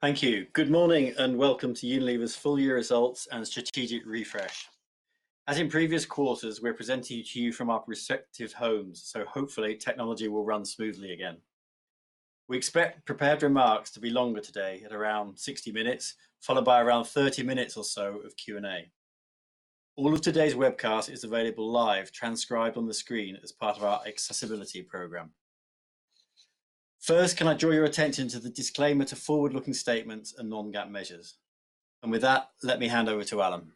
Thank you. Good morning and welcome to Unilever's full year results and strategic refresh. As in previous quarters, we're presenting to you from our respective homes, so hopefully technology will run smoothly again. We expect prepared remarks to be longer today at around 60 minutes, followed by around 30 minutes or so of Q&A. All of today's webcast is available live, transcribed on the screen as part of our accessibility program. First, can I draw your attention to the disclaimer to forward-looking statements and non-GAAP measures? With that, let me hand over to Alan.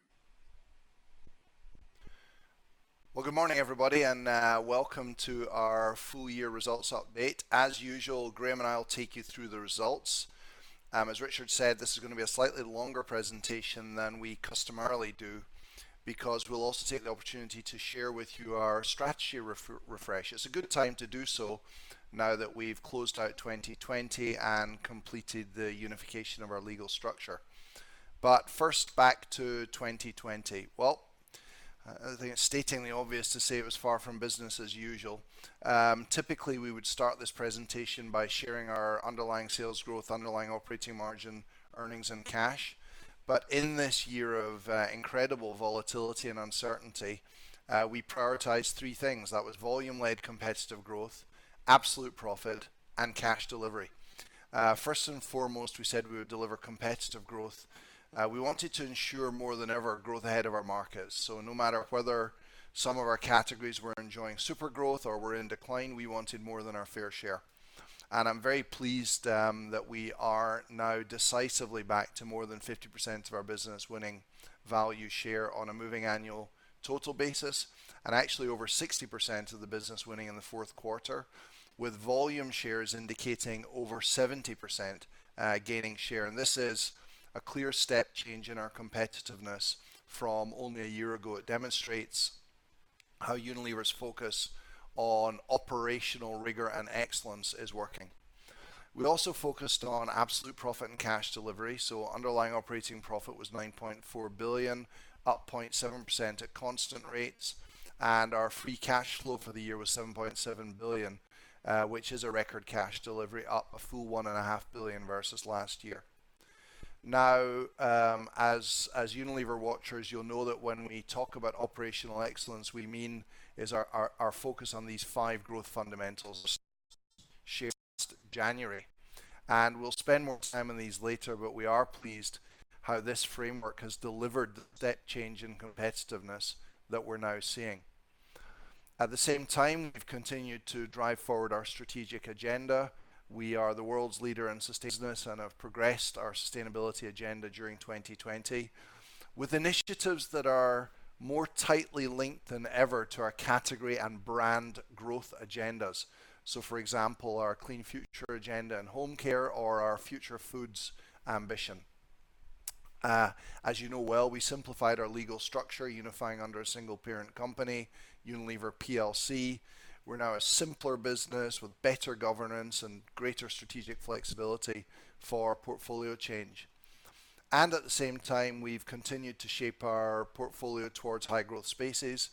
Well, good morning, everybody, and welcome to our full year results update. As usual, Graeme and I will take you through the results. As Richard said, this is going to be a slightly longer presentation than we customarily do because we will also take the opportunity to share with you our strategy refresh. It's a good time to do so now that we have closed out 2020 and completed the unification of our legal structure. First, back to 2020. Well, I think it's stating the obvious to say it was far from business as usual. Typically, we would start this presentation by sharing our underlying sales growth, underlying operating margin, earnings, and cash. In this year of incredible volatility and uncertainty, we prioritized three things. That was volume-led competitive growth, absolute profit, and cash delivery. First and foremost, we said we would deliver competitive growth. We wanted to ensure more than ever growth ahead of our markets. No matter whether some of our categories were enjoying super growth or were in decline, we wanted more than our fair share. I'm very pleased that we are now decisively back to more than 50% of our business winning value share on a moving annual total basis, and actually over 60% of the business winning in the fourth quarter, with volume shares indicating over 70% gaining share. This is a clear step change in our competitiveness from only a year ago. It demonstrates how Unilever's focus on operational rigor and excellence is working. We also focused on absolute profit and cash delivery, underlying operating profit was 9.4 billion, up 0.7% at constant rates, and our free cash flow for the year was 7.7 billion, which is a record cash delivery, up a full 1.5 billion versus last year. As Unilever watchers, you'll know that when we talk about operational excellence, we mean is our focus on these five growth fundamentals shared, Alan. We'll spend more time on these later, but we are pleased how this framework has delivered that change in competitiveness that we're now seeing. At the same time, we've continued to drive forward our strategic agenda. We are the world's leader in sustainability and have progressed our sustainability agenda during 2020 with initiatives that are more tightly linked than ever to our category and brand growth agendas. For example, our Clean Future agenda in Home Care or our Future Foods ambition. As you know well, we simplified our legal structure, unifying under a single parent company, Unilever PLC. We're now a simpler business with better governance and greater strategic flexibility for portfolio change. At the same time, we've continued to shape our portfolio towards high growth spaces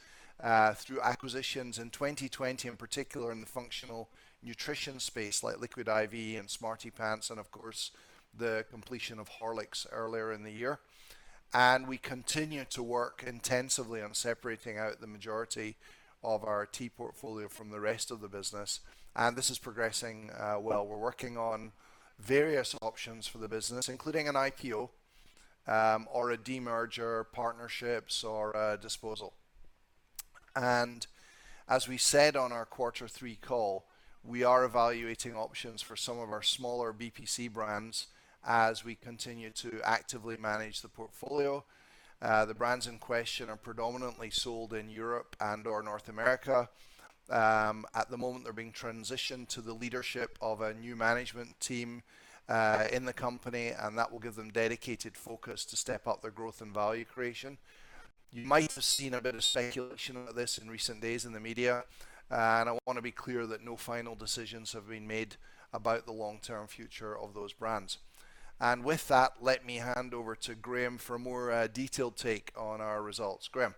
through acquisitions in 2020, in particular in the functional nutrition space like Liquid I.V. and SmartyPants and of course, the completion of Horlicks earlier in the year. We continue to work intensively on separating out the majority of our tea portfolio from the rest of the business and this is progressing well. We're working on various options for the business, including an IPO or a demerger, partnerships, or a disposal. As we said on our quarter three call, we are evaluating options for some of our smaller BPC brands as we continue to actively manage the portfolio. The brands in question are predominantly sold in Europe and or North America. At the moment, they're being transitioned to the leadership of a new management team in the company, and that will give them dedicated focus to step up their growth and value creation. You might have seen a bit of speculation of this in recent days in the media, and I want to be clear that no final decisions have been made about the long-term future of those brands. With that, let me hand over to Graeme for a more detailed take on our results. Graeme.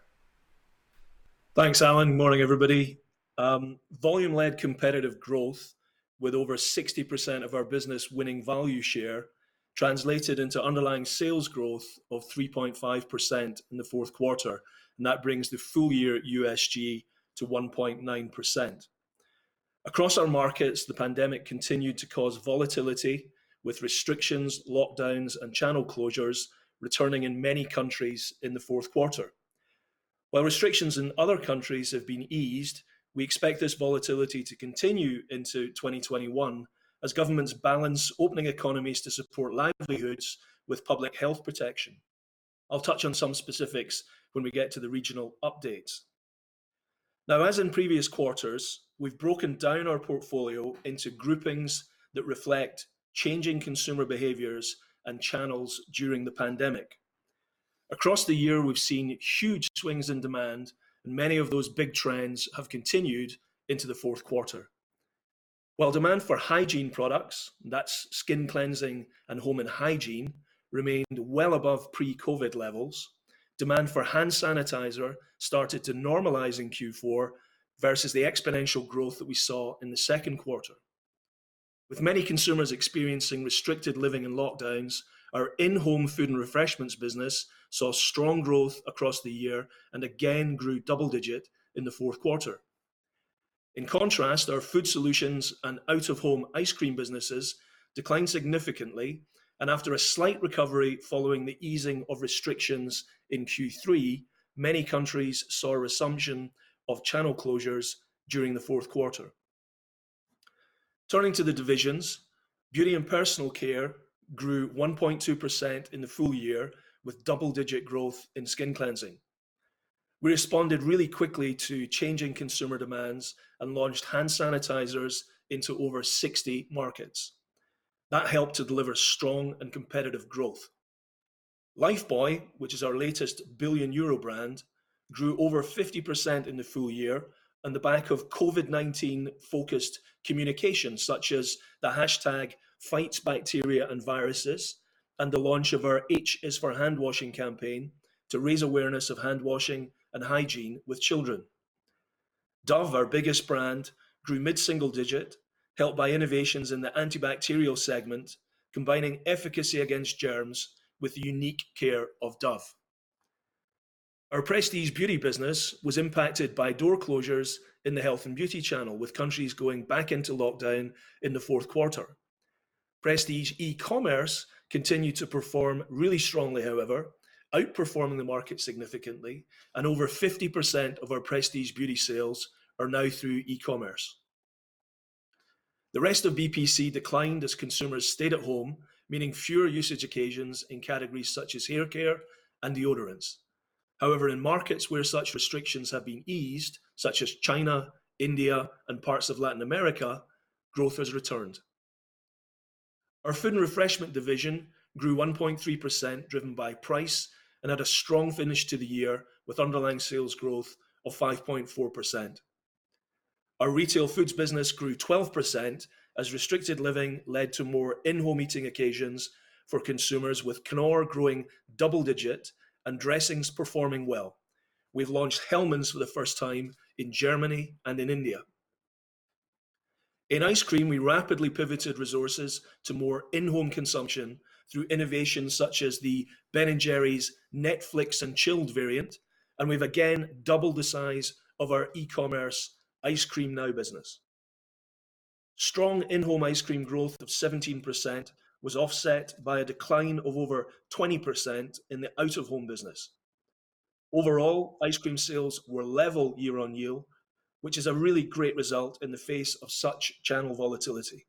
Thanks, Alan. Morning, everybody. Volume-led competitive growth with over 60% of our business winning value share translated into underlying sales growth of 3.5% in the fourth quarter, and that brings the full year USG to 1.9%. Across our markets, the pandemic continued to cause volatility with restrictions, lockdowns, and channel closures returning in many countries in the fourth quarter. While restrictions in other countries have been eased, we expect this volatility to continue into 2021 as governments balance opening economies to support livelihoods with public health protection. I'll touch on some specifics when we get to the regional updates. As in previous quarters, we've broken down our portfolio into groupings that reflect changing consumer behaviors and channels during the pandemic. Across the year, we've seen huge swings in demand, and many of those big trends have continued into the fourth quarter. While demand for hygiene products, that's skin cleansing and home and hygiene remained well above pre-COVID levels. Demand for hand sanitizer started to normalize in Q4 versus the exponential growth that we saw in the second quarter. With many consumers experiencing restricted living and lockdowns, our in-home food and refreshments business saw strong growth across the year and again grew double-digit in the fourth quarter. In contrast, our food solutions and out-of-home ice cream businesses declined significantly, and after a slight recovery following the easing of restrictions in Q3, many countries saw a resumption of channel closures during the fourth quarter. Turning to the divisions, Beauty and Personal Care grew 1.2% in the full year with double-digit growth in skin cleansing. We responded really quickly to changing consumer demands and launched hand sanitizers into over 60 markets. That helped to deliver strong and competitive growth. Lifebuoy, which is our latest billion-euro brand, grew over 50% in the full year on the back of COVID-19 focused communication, such as the hashtag #FightsBacteriaAndViruses, and the launch of our H is for Handwashing campaign to raise awareness of handwashing and hygiene with children. Dove, our biggest brand, grew mid-single digit, helped by innovations in the antibacterial segment, combining efficacy against germs with the unique care of Dove. Our prestige beauty business was impacted by door closures in the health and beauty channel, with countries going back into lockdown in the fourth quarter. Prestige e-commerce continued to perform really strongly, however, outperforming the market significantly, and over 50% of our prestige beauty sales are now through e-commerce. The rest of BPC declined as consumers stayed at home, meaning fewer usage occasions in categories such as haircare and deodorants. However, in markets where such restrictions have been eased, such as China, India, and parts of Latin America, growth has returned. Our food and refreshment division grew 1.3%, driven by price, and had a strong finish to the year with Underlying Sales Growth of 5.4%. Our retail foods business grew 12% as restricted living led to more in-home eating occasions for consumers, with Knorr growing double digit and dressings performing well. We've launched Hellmann's for the first time in Germany and in India. In ice cream, we rapidly pivoted resources to more in-home consumption through innovations such as the Ben & Jerry's Netflix & Chilll'd variant, and we've again doubled the size of our e-commerce Ice Cream Now business. Strong in-home ice cream growth of 17% was offset by a decline of over 20% in the out-of-home business. Overall, ice cream sales were level year-on-year, which is a really great result in the face of such channel volatility.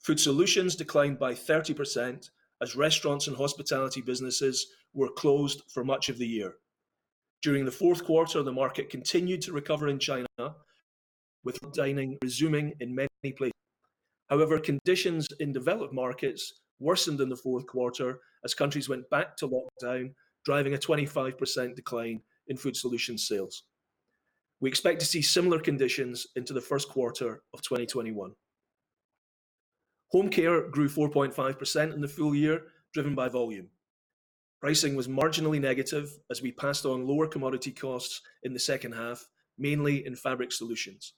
Food Solutions declined by 30% as restaurants and hospitality businesses were closed for much of the year. During the fourth quarter, the market continued to recover in China with dining resuming in many places. However, conditions in developed markets worsened in the fourth quarter as countries went back to lockdown, driving a 25% decline in Food Solutions sales. We expect to see similar conditions into the first quarter of 2021. Home Care grew 4.5% in the full year, driven by volume. Pricing was marginally negative as we passed on lower commodity costs in the second half, mainly in Fabric Solutions.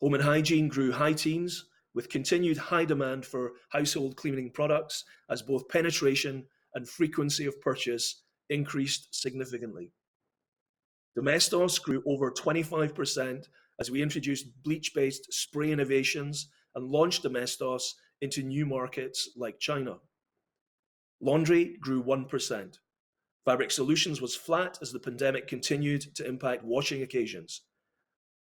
Home & Hygiene grew high teens with continued high demand for household cleaning products as both penetration and frequency of purchase increased significantly. Domestos grew over 25% as we introduced bleach-based spray innovations and launched Domestos into new markets like China. Laundry grew 1%. Fabric solutions was flat as the pandemic continued to impact washing occasions.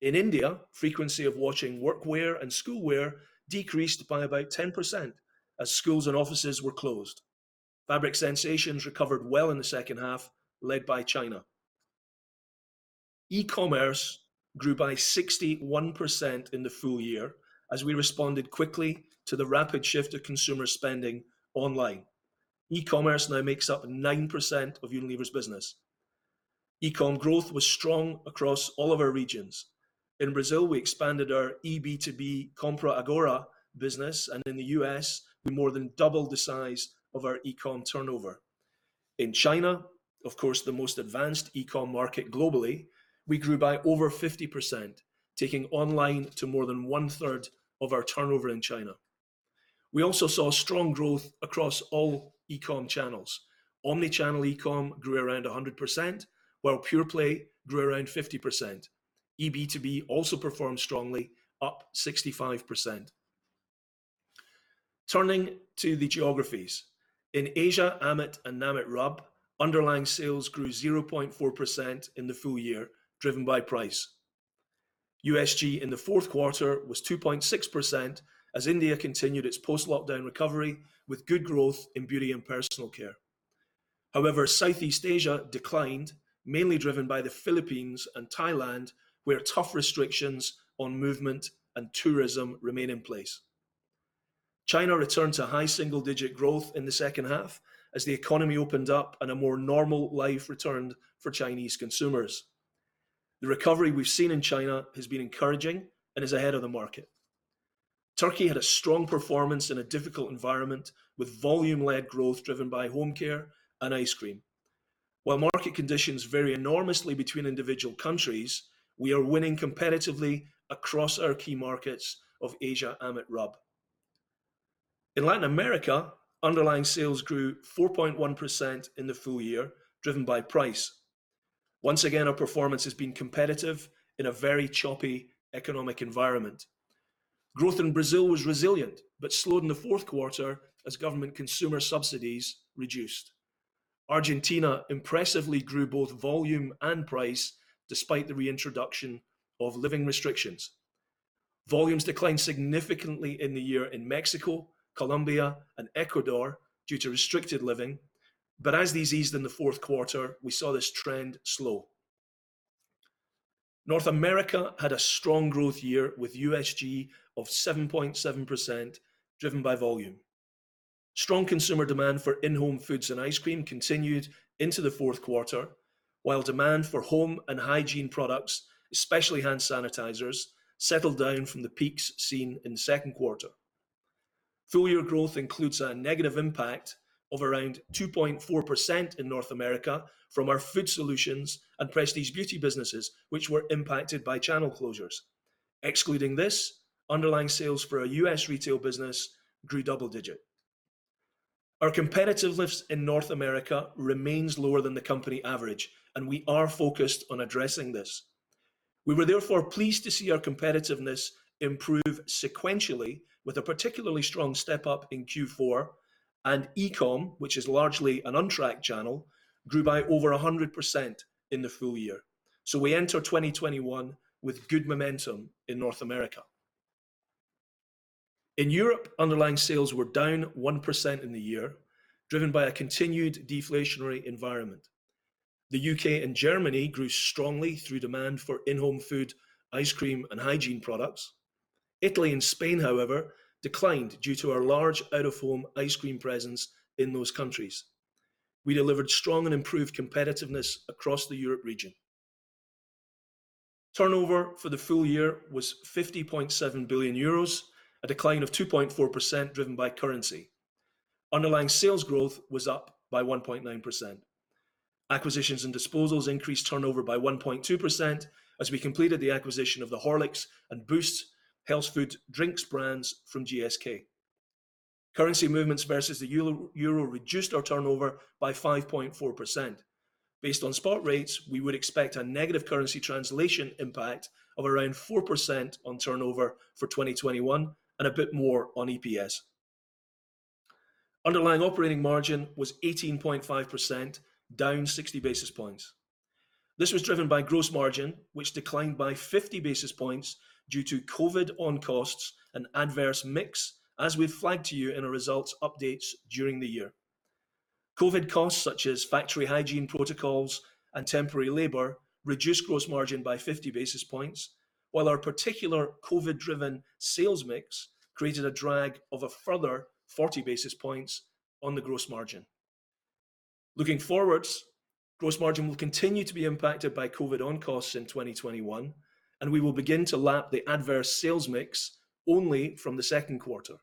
In India, frequency of washing work wear and school wear decreased by about 10% as schools and offices were closed. Fabric sensations recovered well in the second half, led by China. E-commerce grew by 61% in the full year as we responded quickly to the rapid shift of consumer spending online. E-commerce now makes up 9% of Unilever's business. E-com growth was strong across all of our regions. In Brazil, we expanded our eB2B Compra Agora business, and in the U.S., we more than doubled the size of our e-com turnover. In China, of course, the most advanced e-com market globally, we grew by over 50%, taking online to more than one third of our turnover in China. We also saw strong growth across all e-com channels. Omnichannel e-com grew around 100%, while pure play grew around 50%. eB2B also performed strongly, up 65%. Turning to the geographies. In Asia, AMET, and NAMET RUB, underlying sales grew 0.4% in the full year, driven by price. USG in the fourth quarter was 2.6% as India continued its post-lockdown recovery with good growth in beauty and personal care. However, Southeast Asia declined, mainly driven by the Philippines and Thailand, where tough restrictions on movement and tourism remain in place. China returned to high single-digit growth in the second half as the economy opened up and a more normal life returned for Chinese consumers. The recovery we've seen in China has been encouraging and is ahead of the market. Turkey had a strong performance in a difficult environment with volume-led growth driven by Home Care and Ice Cream. While market conditions vary enormously between individual countries, we are winning competitively across our key markets of Asia-AMET-RUB. In Latin America, underlying sales grew 4.1% in the full year, driven by price. Once again, our performance has been competitive in a very choppy economic environment. Growth in Brazil was resilient but slowed in the fourth quarter as government consumer subsidies reduced. Argentina impressively grew both volume and price despite the reintroduction of living restrictions. Volumes declined significantly in the year in Mexico, Colombia, and Ecuador due to restricted living. As these eased in the fourth quarter, we saw this trend slow. North America had a strong growth year with USG of 7.7%, driven by volume. Strong consumer demand for in-home foods and ice cream continued into the fourth quarter, while demand for home and hygiene products, especially hand sanitizers, settled down from the peaks seen in the second quarter. Full year growth includes a negative impact of around 2.4% in North America from our food solutions and Prestige beauty businesses, which were impacted by channel closures. Excluding this, underlying sales for our U.S. retail business grew double-digit. Our competitiveness in North America remains lower than the company average, and we are focused on addressing this. We were pleased to see our competitiveness improve sequentially with a particularly strong step-up in Q4 and eCom, which is largely an untracked channel, grew by over 100% in the full year. We enter 2021 with good momentum in North America. In Europe, underlying sales were down 1% in the year, driven by a continued deflationary environment. The U.K. and Germany grew strongly through demand for in-home food, ice cream, and hygiene products. Italy and Spain, however, declined due to our large out-of-home ice cream presence in those countries. We delivered strong and improved competitiveness across the Europe region. Turnover for the full year was 50.7 billion euros, a decline of 2.4% driven by currency. Underlying sales growth was up by 1.9%. Acquisitions and disposals increased turnover by 1.2% as we completed the acquisition of the Horlicks and Boost health food drinks brands from GSK. Currency movements versus the EUR reduced our turnover by 5.4%. Based on spot rates, we would expect a negative currency translation impact of around 4% on turnover for 2021 and a bit more on EPS. Underlying operating margin was 18.5%, down 60 basis points. This was driven by gross margin, which declined by 50 basis points due to COVID on-costs and adverse mix as we've flagged to you in our results updates during the year. COVID costs such as factory hygiene protocols and temporary labor reduced gross margin by 50 basis points while our particular COVID-driven sales mix created a drag of a further 40 basis points on the gross margin. Looking forwards, gross margin will continue to be impacted by COVID on-costs in 2021, and we will begin to lap the adverse sales mix only from the second quarter.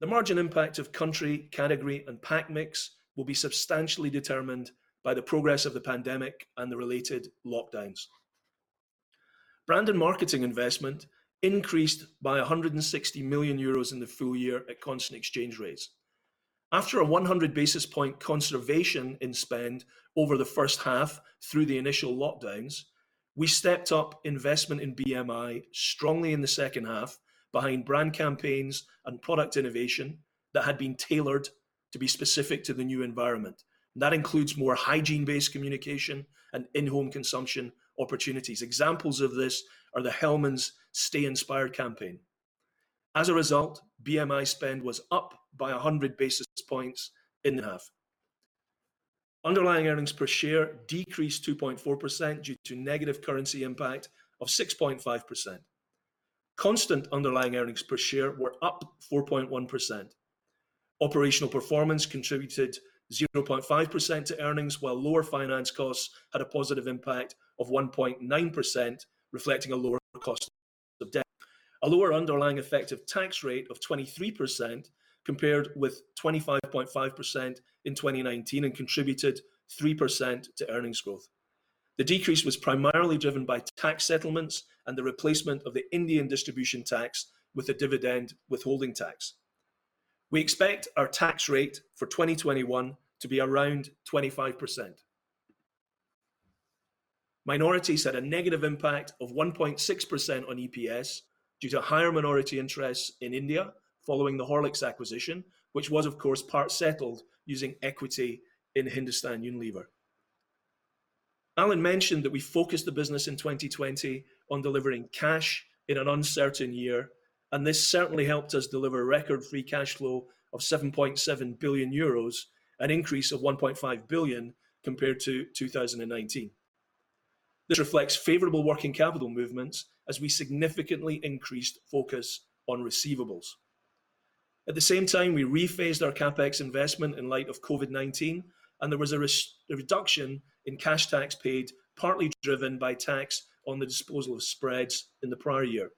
The margin impact of country, category, and pack mix will be substantially determined by the progress of the pandemic and the related lockdowns. Brand and marketing investment increased by 160 million euros in the full year at constant exchange rates. After a 100 basis point conservation in spend over the first half through the initial lockdowns, we stepped up investment in BMI strongly in the second half behind brand campaigns and product innovation that had been tailored to be specific to the new environment. That includes more hygiene-based communication and in-home consumption opportunities. Examples of this are the Hellmann's Stay Inspired campaign. As a result, BMI spend was up by 100 basis points in half. Underlying earnings per share decreased 2.4% due to negative currency impact of 6.5%. Constant underlying earnings per share were up 4.1%. Operational performance contributed 0.5% to earnings, while lower finance costs had a positive impact of 1.9%, reflecting a lower cost of debt. A lower underlying effective tax rate of 23% compared with 25.5% in 2019 contributed 3% to earnings growth. The decrease was primarily driven by tax settlements and the replacement of the Indian distribution tax with a dividend withholding tax. We expect our tax rate for 2021 to be around 25%. Minorities had a negative impact of 1.6% on EPS due to higher minority interests in India following the Horlicks acquisition, which was of course part settled using equity in Hindustan Unilever. Alan mentioned that we focused the business in 2020 on delivering cash in an uncertain year, and this certainly helped us deliver record free cash flow of 7.7 billion euros, an increase of 1.5 billion compared to 2019. This reflects favorable working capital movements as we significantly increased focus on receivables. At the same time, we rephased our CapEx investment in light of COVID-19, and there was a reduction in cash tax paid, partly driven by tax on the disposal of spreads in the prior year.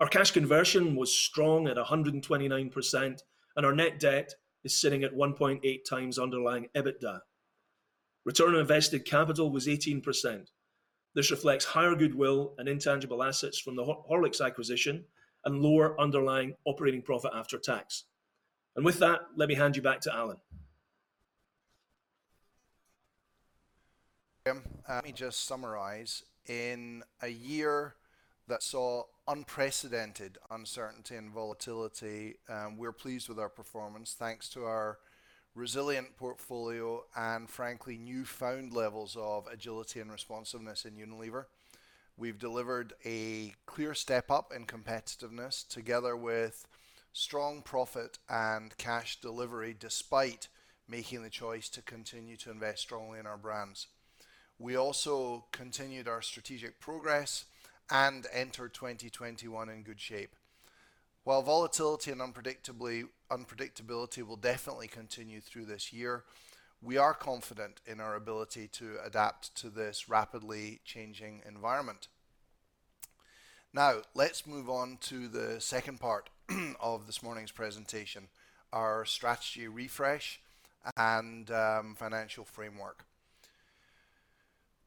Our cash conversion was strong at 129%, and our net debt is sitting at 1.8 times underlying EBITDA. Return on invested capital was 18%. This reflects higher goodwill and intangible assets from the Horlicks acquisition and lower underlying operating profit after tax. With that, let me hand you back to Alan. Graeme. Let me just summarize. In a year that saw unprecedented uncertainty and volatility, we're pleased with our performance, thanks to our resilient portfolio and frankly newfound levels of agility and responsiveness in Unilever. We've delivered a clear step up in competitiveness together with strong profit and cash delivery, despite making the choice to continue to invest strongly in our brands. We also continued our strategic progress and entered 2021 in good shape. While volatility and unpredictability will definitely continue through this year, we are confident in our ability to adapt to this rapidly changing environment. Now, let's move on to the second part of this morning's presentation, our strategy refresh and financial framework.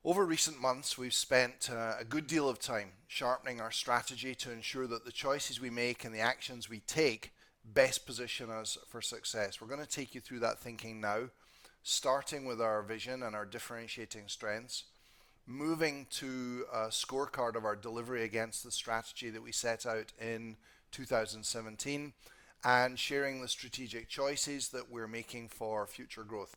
Over recent months, we've spent a good deal of time sharpening our strategy to ensure that the choices we make and the actions we take best position us for success. We're going to take you through that thinking now, starting with our vision and our differentiating strengths, moving to a scorecard of our delivery against the strategy that we set out in 2017, sharing the strategic choices that we're making for future growth.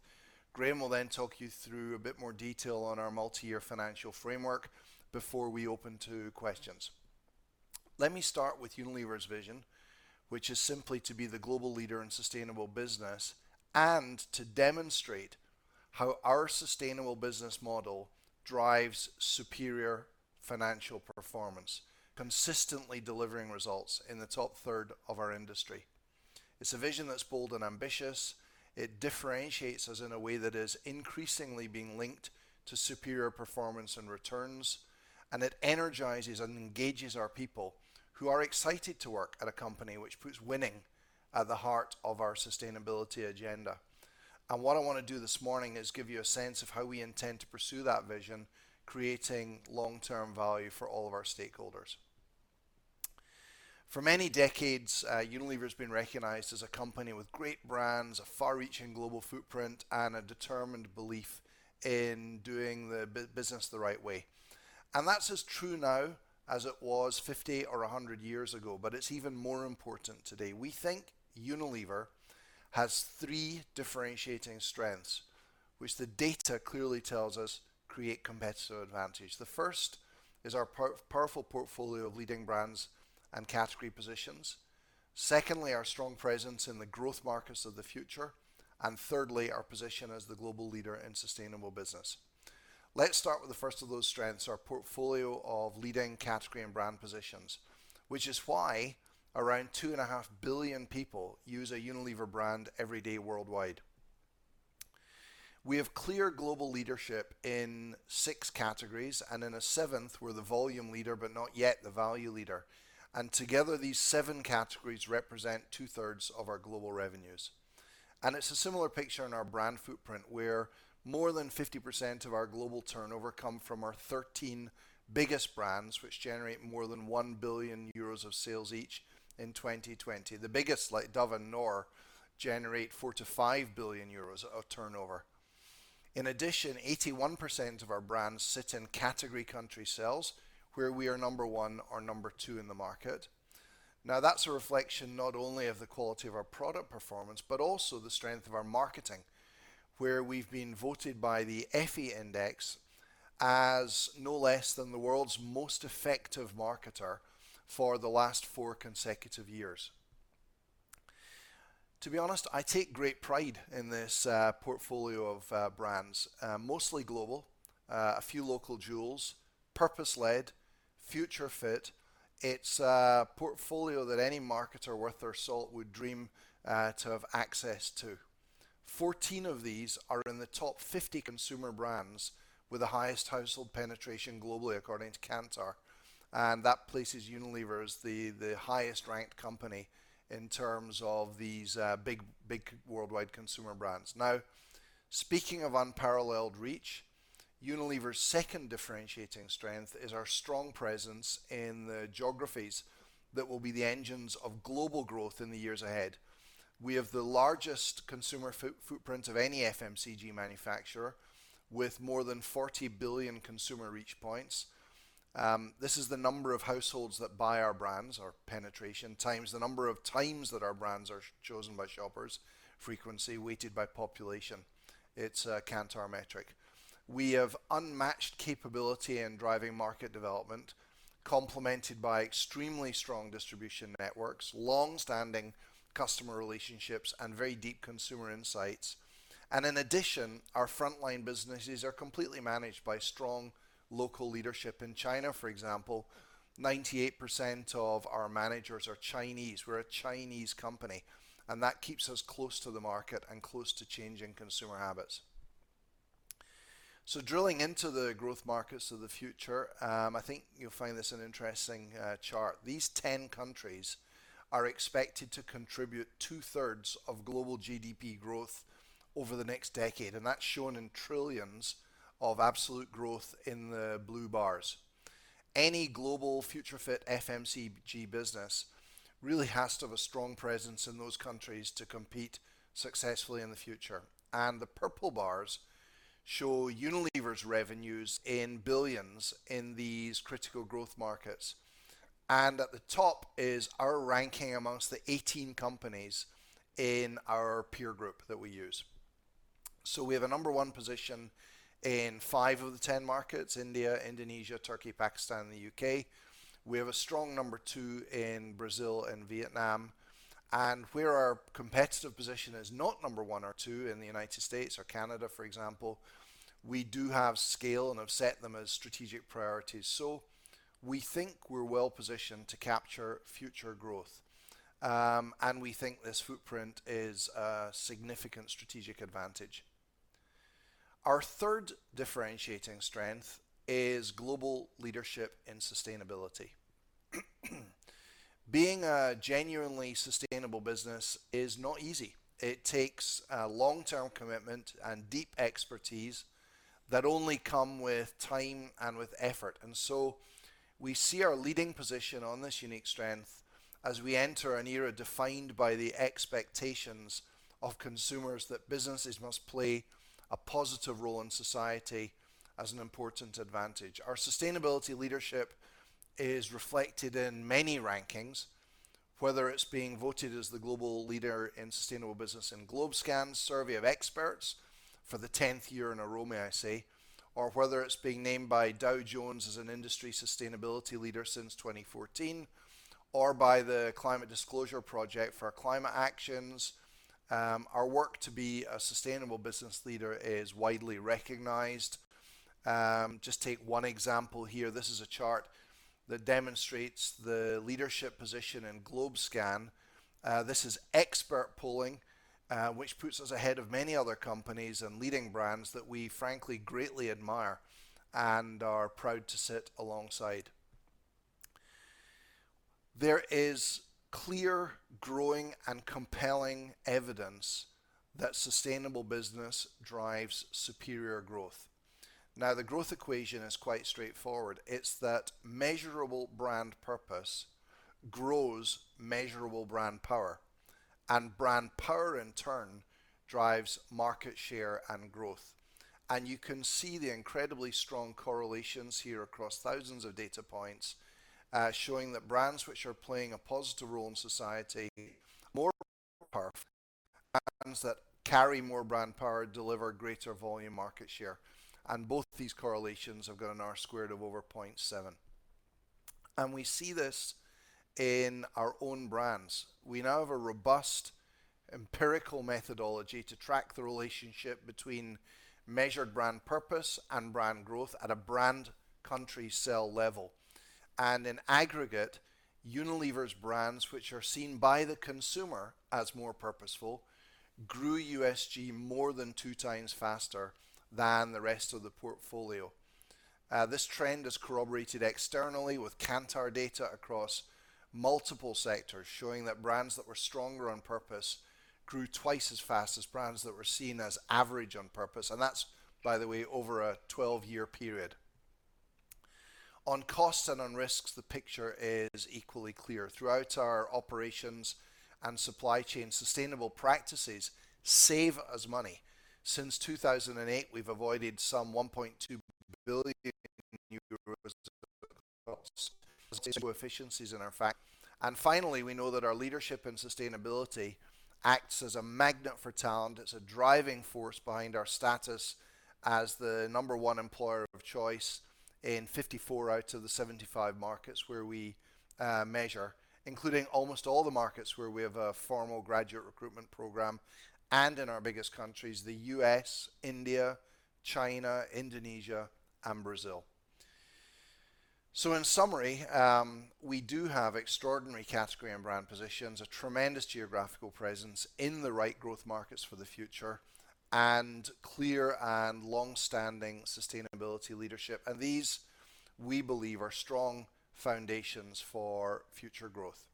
Graeme will then talk you through a bit more detail on our multi-year financial framework before we open to questions. Let me start with Unilever's vision, which is simply to be the global leader in sustainable business and to demonstrate how our sustainable business model drives superior financial performance, consistently delivering results in the top third of our industry. It's a vision that's bold and ambitious. It differentiates us in a way that is increasingly being linked to superior performance and returns, and it energizes and engages our people who are excited to work at a company which puts winning at the heart of our sustainability agenda. What I want to do this morning is give you a sense of how we intend to pursue that vision, creating long-term value for all of our stakeholders. For many decades, Unilever has been recognized as a company with great brands, a far-reaching global footprint, and a determined belief in doing the business the right way. That's as true now as it was 50 or 100 years ago, but it's even more important today. We think Unilever has three differentiating strengths, which the data clearly tells us create competitive advantage. The first is our powerful portfolio of leading brands and category positions. Secondly, our strong presence in the growth markets of the future. Thirdly, our position as the global leader in sustainable business. Let's start with the first of those strengths, our portfolio of leading category and brand positions, which is why around 2.5 billion people use a Unilever brand every day worldwide. We have clear global leadership in 6 categories and in a seventh we're the volume leader, but not yet the value leader, and together these seven categories represent 2/3 of our global revenues. It's a similar picture in our brand footprint, where more than 50% of our global turnover come from our 13 biggest brands, which generate more than 1 billion euros of sales each in 2020. The biggest, like Dove and Knorr, generate 4 billion-5 billion euros of turnover. In addition, 81% of our brands sit in category country sales where we are number 1 or number 2 in the market. That's a reflection not only of the quality of our product performance, but also the strength of our marketing, where we've been voted by the Effie Index as no less than the world's most effective marketer for the last four consecutive years. To be honest, I take great pride in this portfolio of brands, mostly global, a few local jewels, purpose-led, future fit. It's a portfolio that any marketer worth their salt would dream to have access to. 14 of these are in the top 50 consumer brands with the highest household penetration globally according to Kantar. That places Unilever as the highest ranked company in terms of these big worldwide consumer brands. Now, speaking of unparalleled reach, Unilever's second differentiating strength is our strong presence in the geographies that will be the engines of global growth in the years ahead. We have the largest consumer footprint of any FMCG manufacturer with more than 40 billion consumer reach points. This is the number of households that buy our brands, or penetration, times the number of times that our brands are chosen by shoppers, frequency weighted by population. It's a Kantar metric. We have unmatched capability in driving market development, complemented by extremely strong distribution networks, long-standing customer relationships, and very deep consumer insights. In addition, our frontline businesses are completely managed by strong local leadership. In China, for example, 98% of our managers are Chinese. We're a Chinese company, and that keeps us close to the market and close to changing consumer habits. Drilling into the growth markets of the future, I think you'll find this an interesting chart. These 10 countries are expected to contribute two-thirds of global GDP growth over the next decade, and that's shown in trillions of absolute growth in the blue bars. Any global future-fit FMCG business really has to have a strong presence in those countries to compete successfully in the future. The purple bars show Unilever's revenues in billions in these critical growth markets. At the top is our ranking amongst the 18 companies in our peer group that we use. We have a number one position in five of the 10 markets, India, Indonesia, Turkey, Pakistan, and the U.K. We have a strong number two in Brazil and Vietnam. Where our competitive position is not number one or two in the United States or Canada, for example, we do have scale and have set them as strategic priorities. We think we're well positioned to capture future growth. We think this footprint is a significant strategic advantage. Our third differentiating strength is global leadership in sustainability. Being a genuinely sustainable business is not easy. It takes a long-term commitment and deep expertise that only come with time and with effort. We see our leading position on this unique strength as we enter an era defined by the expectations of consumers that businesses must play a positive role in society as an important advantage. Our sustainability leadership is reflected in many rankings, whether it is being voted as the global leader in sustainable business in GlobeScan's survey of experts for the 10th year in a row, may I say, or whether it is being named by Dow Jones as an industry sustainability leader since 2014, or by the Climate Disclosure Project for our climate actions. Our work to be a sustainable business leader is widely recognized. Just take one example here. This is a chart that demonstrates the leadership position in GlobeScan. This is expert polling, which puts us ahead of many other companies and leading brands that we frankly greatly admire and are proud to sit alongside. There is clear, growing, and compelling evidence that sustainable business drives superior growth. Now, the growth equation is quite straightforward. It's that measurable brand purpose grows measurable brand power, and brand power in turn drives market share and growth. You can see the incredibly strong correlations here across thousands of data points, showing that brands which are playing a positive role in society, more power, and brands that carry more brand power deliver greater volume market share. Both these correlations have got an R squared of over 0.7. We see this in our own brands. We now have a robust empirical methodology to track the relationship between measured brand purpose and brand growth at a brand country cell level. In aggregate, Unilever's brands, which are seen by the consumer as more purposeful, grew USG more than two times faster than the rest of the portfolio. This trend is corroborated externally with Kantar data across multiple sectors, showing that brands that were stronger on purpose grew twice as fast as brands that were seen as average on purpose, and that's, by the way, over a 12-year period. On costs and on risks, the picture is equally clear. Throughout our operations and supply chain, sustainable practices save us money. Since 2008, we've avoided some 1.2 billion euros in costs through efficiencies in our factories. Finally, we know that our leadership and sustainability acts as a magnet for talent. It's a driving force behind our status as the number one employer of choice in 54 out of the 75 markets where we measure, including almost all the markets where we have a formal graduate recruitment program, and in our biggest countries, the U.S., India, China, Indonesia, and Brazil. In summary, we do have extraordinary category and brand positions, a tremendous geographical presence in the right growth markets for the future, and clear and longstanding sustainability leadership. These, we believe, are strong foundations for future growth.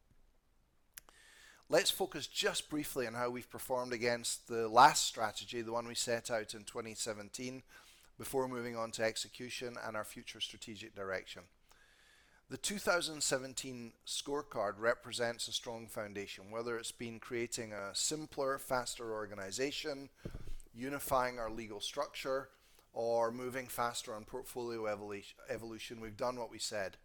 Let's focus just briefly on how we've performed against the last strategy, the one we set out in 2017, before moving on to execution and our future strategic direction. The 2017 scorecard represents a strong foundation, whether it's been creating a simpler, faster organization, unifying our legal structure, or moving faster on portfolio evolution. We've done what we said.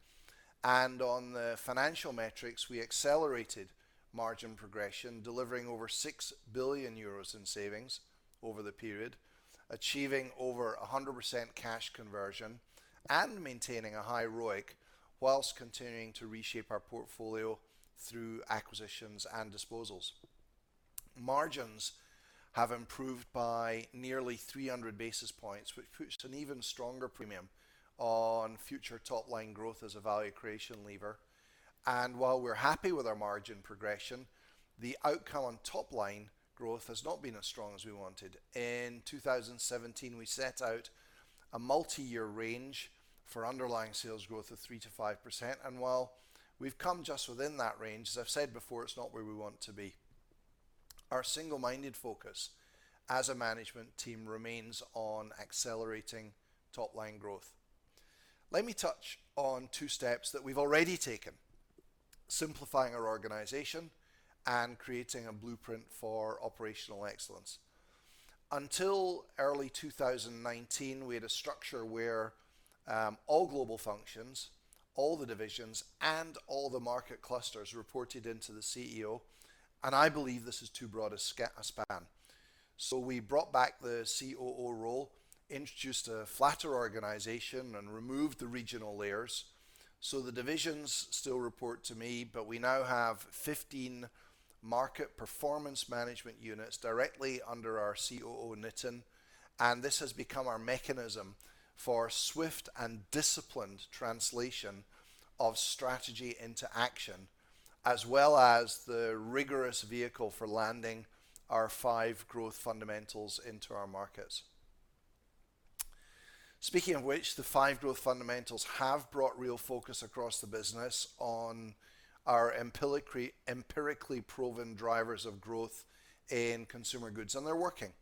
On the financial metrics, we accelerated margin progression, delivering over 6 billion euros in savings over the period, achieving over 100% cash conversion, and maintaining a high ROIC whilst continuing to reshape our portfolio through acquisitions and disposals. Margins have improved by nearly 300 basis points, which puts an even stronger premium on future top line growth as a value creation lever. While we're happy with our margin progression, the outcome on top line growth has not been as strong as we wanted. In 2017, we set out a multi-year range for Underlying Sales Growth of 3%-5%. While we've come just within that range, as I've said before, it's not where we want to be. Our single-minded focus as a management team remains on accelerating top line growth. Let me touch on two steps that we've already taken, simplifying our organization and creating a blueprint for operational excellence. Until early 2019, we had a structure where all global functions, all the divisions, and all the market clusters reported into the CEO. I believe this is too broad a span. We brought back the COO role, introduced a flatter organization, and removed the regional layers. The divisions still report to me, but we now have 15 market performance management units directly under our COO, Nitin. This has become our mechanism for swift and disciplined translation of strategy into action, as well as the rigorous vehicle for landing our five growth fundamentals into our markets. Speaking of which, the five growth fundamentals have brought real focus across the business on our empirically proven drivers of growth in consumer goods. They're working.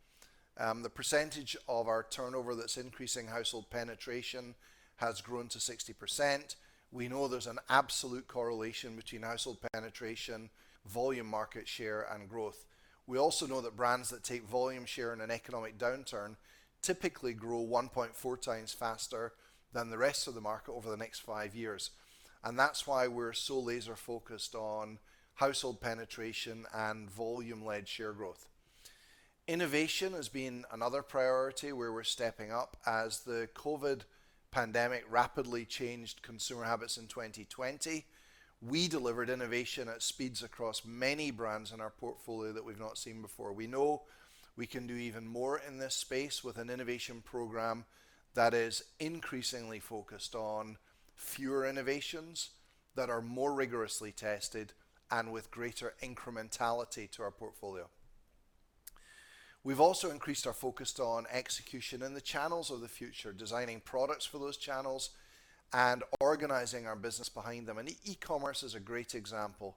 The percentage of our turnover that's increasing household penetration has grown to 60%. We know there's an absolute correlation between household penetration, volume market share, and growth. We also know that brands that take volume share in an economic downturn typically grow 1.4 times faster than the rest of the market over the next five years, and that's why we're so laser focused on household penetration and volume-led share growth. Innovation has been another priority where we're stepping up. As the COVID-19 pandemic rapidly changed consumer habits in 2020, we delivered innovation at speeds across many brands in our portfolio that we've not seen before. We know we can do even more in this space with an innovation program that is increasingly focused on fewer innovations that are more rigorously tested and with greater incrementality to our portfolio. We've also increased our focus on execution in the channels of the future, designing products for those channels and organizing our business behind them, and e-commerce is a great example.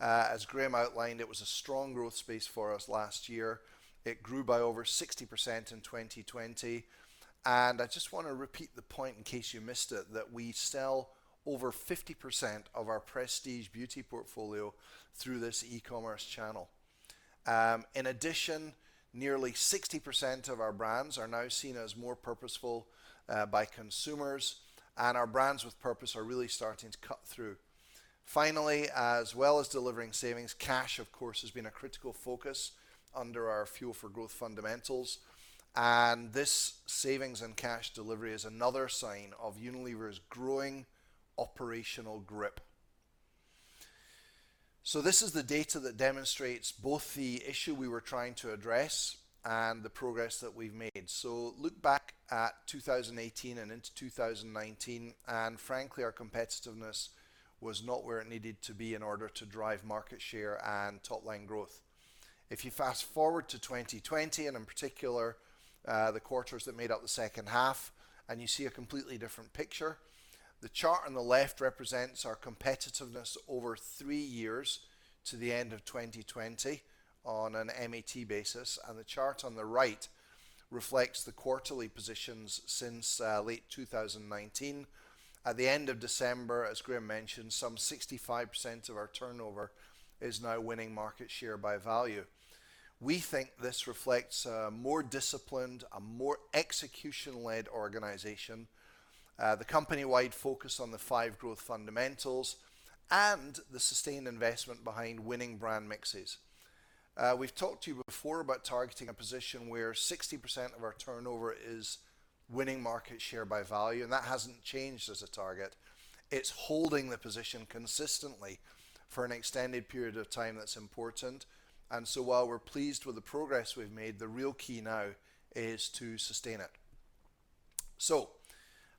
As Graeme outlined, it was a strong growth space for us last year. It grew by over 60% in 2020. I just want to repeat the point in case you missed it, that we sell over 50% of our Prestige beauty portfolio through this e-commerce channel. In addition, nearly 60% of our brands are now seen as more purposeful by consumers, and our brands with purpose are really starting to cut through. Finally, as well as delivering savings, cash, of course, has been a critical focus under our fuel for growth fundamentals, and this savings and cash delivery is another sign of Unilever's growing operational grip. This is the data that demonstrates both the issue we were trying to address and the progress that we've made. Look back at 2018 and into 2019, and frankly, our competitiveness was not where it needed to be in order to drive market share and top line growth. If you fast-forward to 2020, and in particular, the quarters that made up the second half, and you see a completely different picture. The chart on the left represents our competitiveness over three years to the end of 2020 on an MAT basis, and the chart on the right reflects the quarterly positions since late 2019. At the end of December, as Graeme mentioned, some 65% of our turnover is now winning market share by value. We think this reflects a more disciplined, a more execution-led organization, the company-wide focus on the five growth fundamentals, and the sustained investment behind winning brand mixes. We've talked to you before about targeting a position where 60% of our turnover is winning market share by value, that hasn't changed as a target. It's holding the position consistently for an extended period of time that's important. While we're pleased with the progress we've made, the real key now is to sustain it.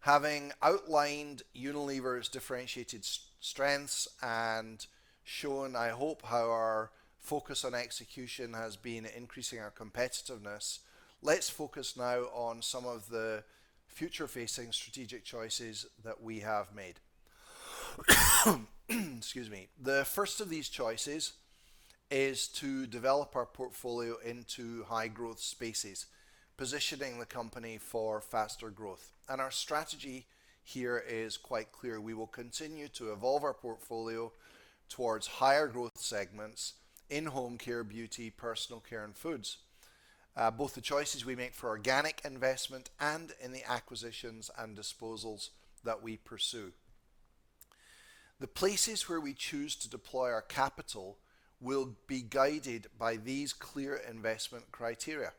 Having outlined Unilever's differentiated strengths and shown, I hope, how our focus on execution has been increasing our competitiveness, let's focus now on some of the future-facing strategic choices that we have made. Excuse me. The first of these choices is to develop our portfolio into high-growth spaces, positioning the company for faster growth. Our strategy here is quite clear. We will continue to evolve our portfolio towards higher growth segments in home care, beauty, personal care, and foods, both the choices we make for organic investment and in the acquisitions and disposals that we pursue. The places where we choose to deploy our capital will be guided by these clear investment criteria.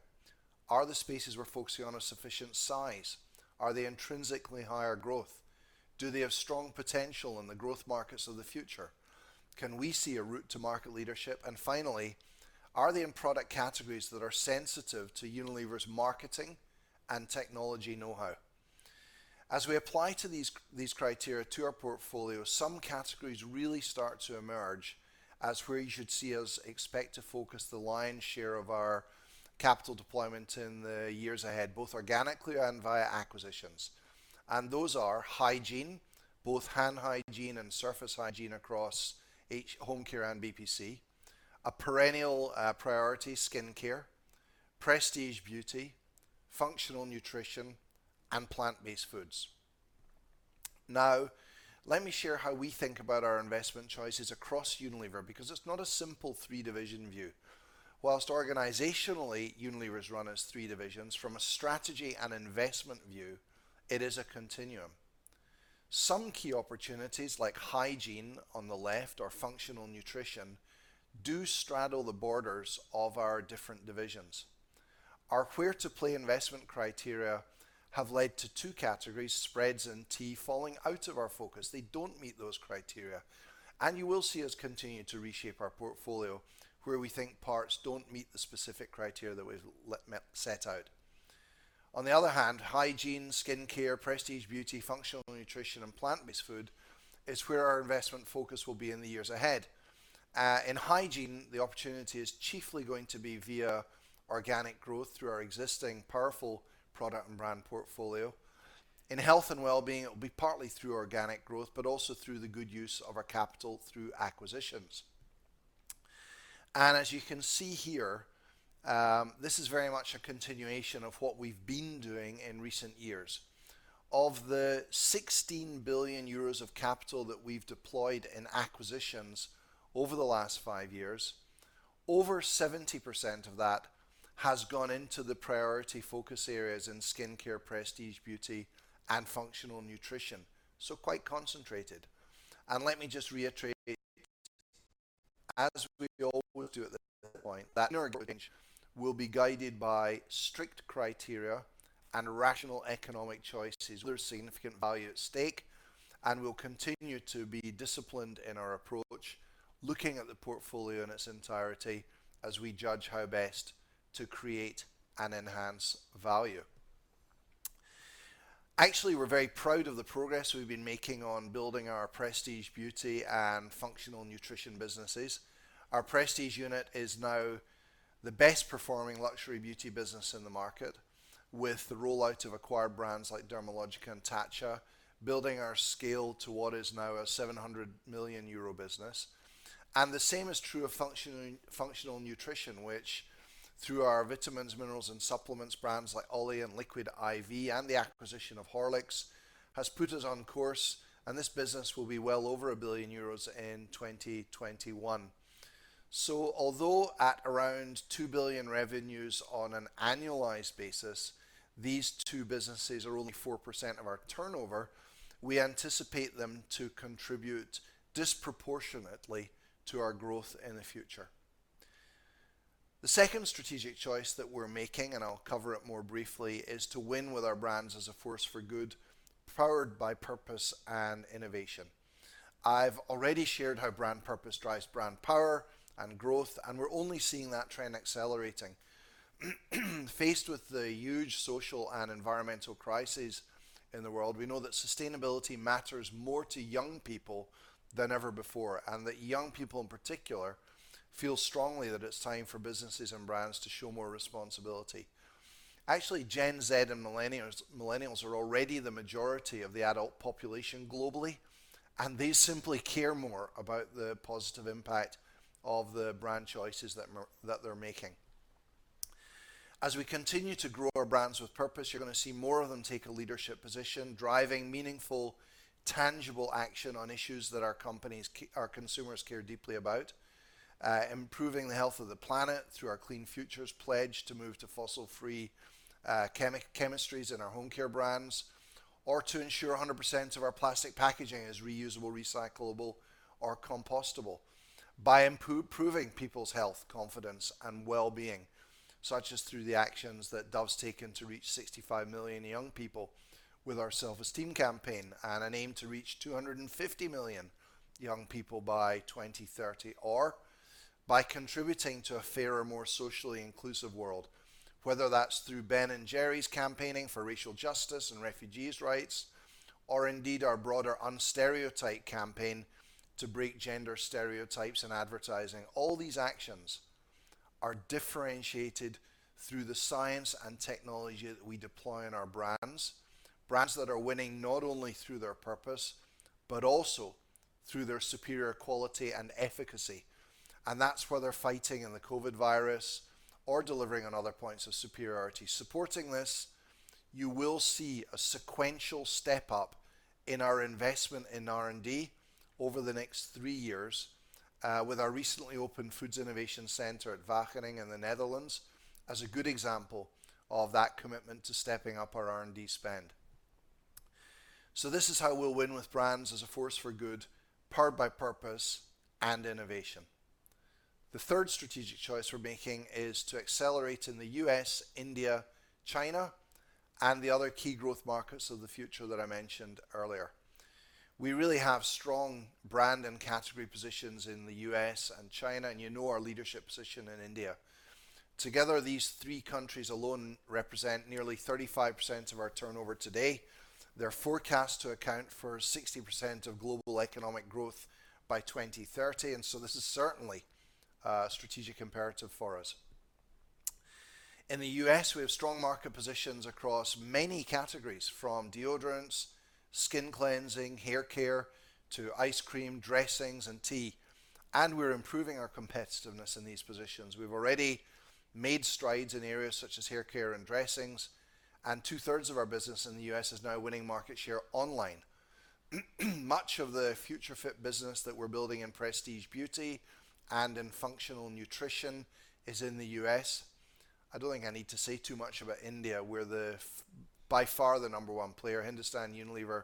Are the spaces we're focusing on a sufficient size? Are they intrinsically higher growth? Do they have strong potential in the growth markets of the future? Can we see a route to market leadership? Finally, are they in product categories that are sensitive to Unilever's marketing and technology know-how? As we apply these criteria to our portfolio, some categories really start to emerge as where you should see us expect to focus the lion's share of our capital deployment in the years ahead, both organically and via acquisitions. Those are hygiene, both hand hygiene and surface hygiene across each Home Care and BPC, a perennial priority, skin care, prestige beauty, functional nutrition, and plant-based foods. Let me share how we think about our investment choices across Unilever, because it's not a simple three division view. Organizationally, Unilever is run as three divisions, from a strategy and investment view, it is a continuum. Some key opportunities like hygiene on the left or functional nutrition do straddle the borders of our different divisions. Our where to play investment criteria have led to two categories, spreads and tea falling out of our focus. They don't meet those criteria, and you will see us continue to reshape our portfolio where we think parts don't meet the specific criteria that we set out. On the other hand, hygiene, skin care, prestige beauty, functional nutrition, and plant-based food is where our investment focus will be in the years ahead. In hygiene, the opportunity is chiefly going to be via organic growth through our existing powerful product and brand portfolio. In health and wellbeing, it will be partly through organic growth, but also through the good use of our capital through acquisitions. As you can see here, this is very much a continuation of what we've been doing in recent years. Of the 16 billion euros of capital that we've deployed in acquisitions over the last five years, over 70% of that has gone into the priority focus areas in skin care, prestige beauty, and functional nutrition. Quite concentrated. Let me just reiterate, as we always do at this point, that range will be guided by strict criteria and rational economic choices where there's significant value at stake, and we'll continue to be disciplined in our approach, looking at the portfolio in its entirety as we judge how best to create and enhance value. Actually, we're very proud of the progress we've been making on building our Prestige Beauty and Functional Nutrition businesses. Our Prestige unit is now the best performing luxury beauty business in the market, with the rollout of acquired brands like Dermalogica and Tatcha, building our scale to what is now a 700 million euro business. The same is true of functional nutrition, which through our vitamins, minerals, and supplements brands like OLLY and Liquid I.V., and the acquisition of Horlicks, has put us on course, and this business will be well over 1 billion euros in 2021. Although at around 2 billion revenues on an annualized basis, these two businesses are only 4% of our turnover, we anticipate them to contribute disproportionately to our growth in the future. The second strategic choice that we're making, and I'll cover it more briefly, is to win with our brands as a force for good, powered by purpose and innovation. I've already shared how brand purpose drives brand power and growth, and we're only seeing that trend accelerating. Faced with the huge social and environmental crises in the world, we know that sustainability matters more to young people than ever before, and that young people in particular feel strongly that it's time for businesses and brands to show more responsibility. Actually, Gen Z and millennials are already the majority of the adult population globally, and they simply care more about the positive impact of the brand choices that they're making. As we continue to grow our brands with purpose, you're going to see more of them take a leadership position, driving meaningful, tangible action on issues that our consumers care deeply about, improving the health of the planet through our Clean Future pledge to move to fossil free chemistries in our Home Care brands or to ensure 100% of our plastic packaging is reusable, recyclable, or compostable, by improving people's health, confidence, and wellbeing, such as through the actions that Dove's taken to reach 65 million young people with our Self-Esteem Campaign and an aim to reach 250 million young people by 2030, or by contributing to a fairer, more socially inclusive world, whether that's through Ben & Jerry's campaigning for racial justice and refugees rights, or indeed our broader Unstereotype Campaign to break gender stereotypes in advertising. All these actions are differentiated through the science and technology that we deploy in our brands that are winning not only through their purpose, but also through their superior quality and efficacy. That's whether fighting in the COVID virus or delivering on other points of superiority. Supporting this, you will see a sequential step up in our investment in R&D over the next three years, with our recently opened Foods Innovation Center at Wageningen in the Netherlands as a good example of that commitment to stepping up our R&D spend. This is how we'll win with brands as a force for good, powered by purpose and innovation. The third strategic choice we're making is to accelerate in the U.S., India, China, and the other key growth markets of the future that I mentioned earlier. We really have strong brand and category positions in the U.S. and China, and you know our leadership position in India. Together, these three countries alone represent nearly 35% of our turnover today. They're forecast to account for 60% of global economic growth by 2030, and so this is certainly a strategic imperative for us. In the U.S., we have strong market positions across many categories, from deodorants, skin cleansing, hair care, to ice cream, dressings, and tea, and we're improving our competitiveness in these positions. We've already made strides in areas such as hair care and dressings, and two thirds of our business in the U.S. is now winning market share online. Much of the future fit business that we're building in prestige beauty and in functional nutrition is in the U.S. I don't think I need to say too much about India. We're by far the number one player. Hindustan Unilever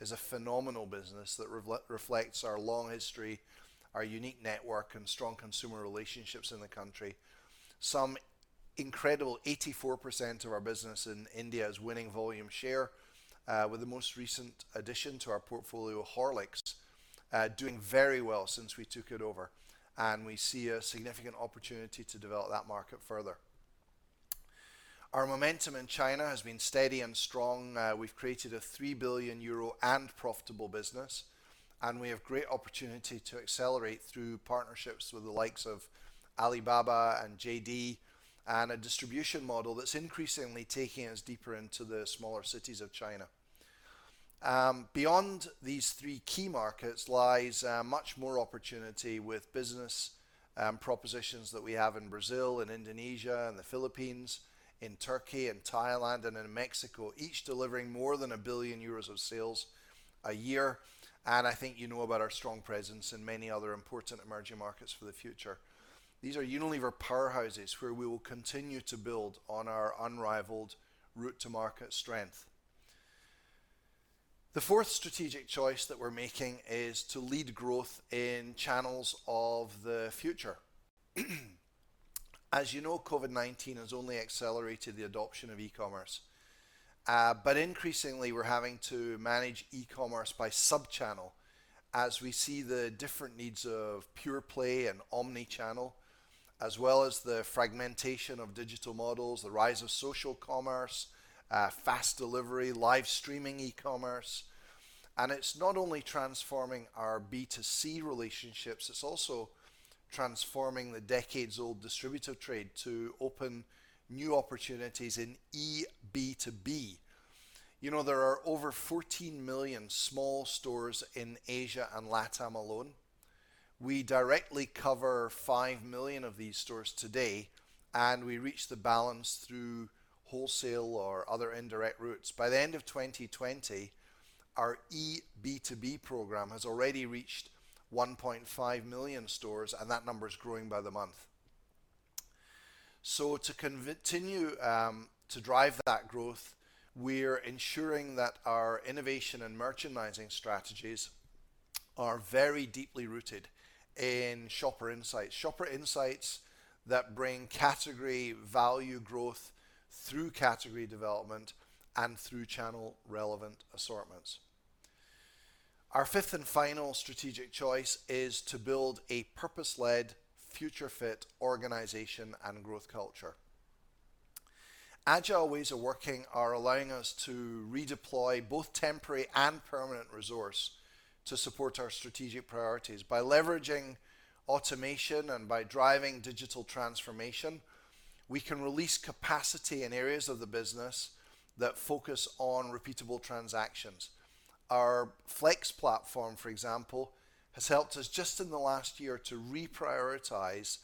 is a phenomenal business that reflects our long history, our unique network, and strong consumer relationships in the country. Some incredible 84% of our business in India is winning volume share, with the most recent addition to our portfolio, Horlicks, doing very well since we took it over, and we see a significant opportunity to develop that market further. Our momentum in China has been steady and strong. We've created a 3 billion euro and profitable business, and we have great opportunity to accelerate through partnerships with the likes of Alibaba and JD, and a distribution model that's increasingly taking us deeper into the smaller cities of China. Beyond these three key markets lies much more opportunity with business propositions that we have in Brazil and Indonesia and the Philippines, in Turkey and Thailand, and in Mexico, each delivering more than 1 billion euros of sales a year. I think you know about our strong presence in many other important emerging markets for the future. These are Unilever powerhouses where we will continue to build on our unrivaled route to market strength. The fourth strategic choice that we're making is to lead growth in channels of the future. As you know, COVID-19 has only accelerated the adoption of e-commerce. Increasingly, we're having to manage e-commerce by sub-channel as we see the different needs of pure play and omni-channel, as well as the fragmentation of digital models, the rise of social commerce, fast delivery, live streaming e-commerce. It's not only transforming our B2C relationships, it's also transforming the decades-old distributor trade to open new opportunities in eB2B. There are over 14 million small stores in Asia and LATAM alone. We directly cover five million of these stores today, and we reach the balance through wholesale or other indirect routes. By the end of 2020, our eB2B program has already reached 1.5 million stores, and that number is growing by the month. To continue to drive that growth, we're ensuring that our innovation and merchandising strategies are very deeply rooted in shopper insights, shopper insights that bring category value growth through category development and through channel relevant assortments. Our fifth and final strategic choice is to build a purpose-led future fit organization and growth culture. Agile ways of working are allowing us to redeploy both temporary and permanent resource to support our strategic priorities. By leveraging automation and by driving digital transformation, we can release capacity in areas of the business that focus on repeatable transactions. Our FLEX platform, for example, has helped us just in the last year to reprioritize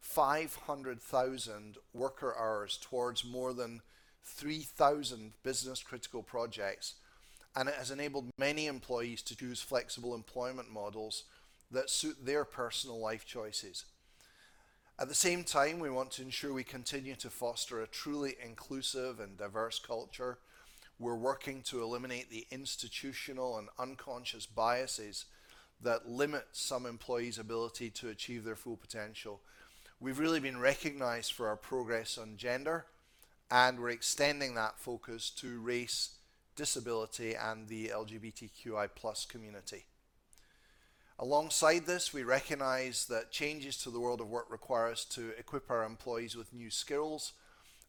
500,000 worker hours towards more than 3,000 business critical projects, and it has enabled many employees to choose flexible employment models that suit their personal life choices. At the same time, we want to ensure we continue to foster a truly inclusive and diverse culture. We're working to eliminate the institutional and unconscious biases that limit some employees' ability to achieve their full potential. We've really been recognized for our progress on gender, and we're extending that focus to race, disability, and the LGBTQI+ community. Alongside this, we recognize that changes to the world of work require us to equip our employees with new skills.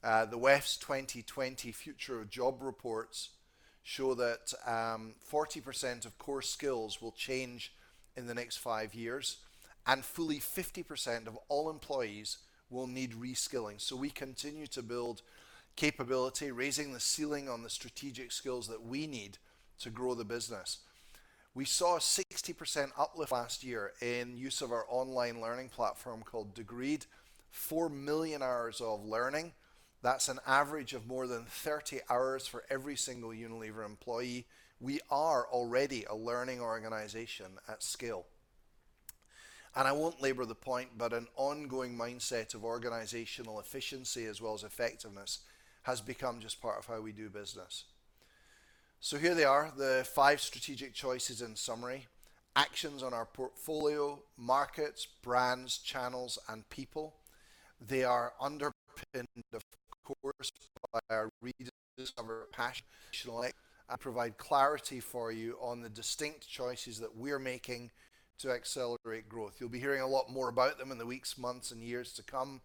The WEF's 2020 Future of Jobs Report show that 40% of core skills will change in the next five years, and fully 50% of all employees will need re-skilling. We continue to build capability, raising the ceiling on the strategic skills that we need to grow the business. We saw a 60% uplift last year in use of our online learning platform called Degreed, 4 million hours of learning. That's an average of more than 30 hours for every single Unilever employee. We are already a learning organization at scale. I won't labor the point, but an ongoing mindset of organizational efficiency as well as effectiveness has become just part of how we do business. Here they are, the five strategic choices in summary. Actions on our portfolio, markets, brands, channels, and people. They are underpinned, of course, by our reasons, our passion, and provide clarity for you on the distinct choices that we're making to accelerate growth. You'll be hearing a lot more about them in the weeks, months, and years to come.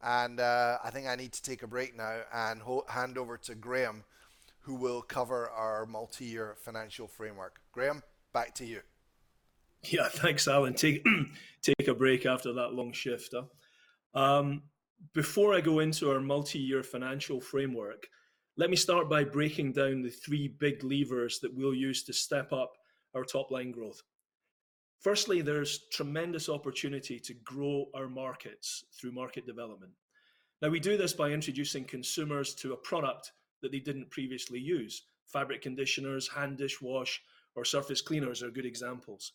I think I need to take a break now and hand over to Graeme, who will cover our multi-year financial framework. Graeme, back to you. Yeah, thanks, Alan. Take a break after that long shift. Before I go into our multi-year financial framework, let me start by breaking down the three big levers that we'll use to step up our top line growth. Firstly, there's tremendous opportunity to grow our markets through market development. We do this by introducing consumers to a product that they didn't previously use. Fabric conditioners, hand dish wash, or surface cleaners are good examples.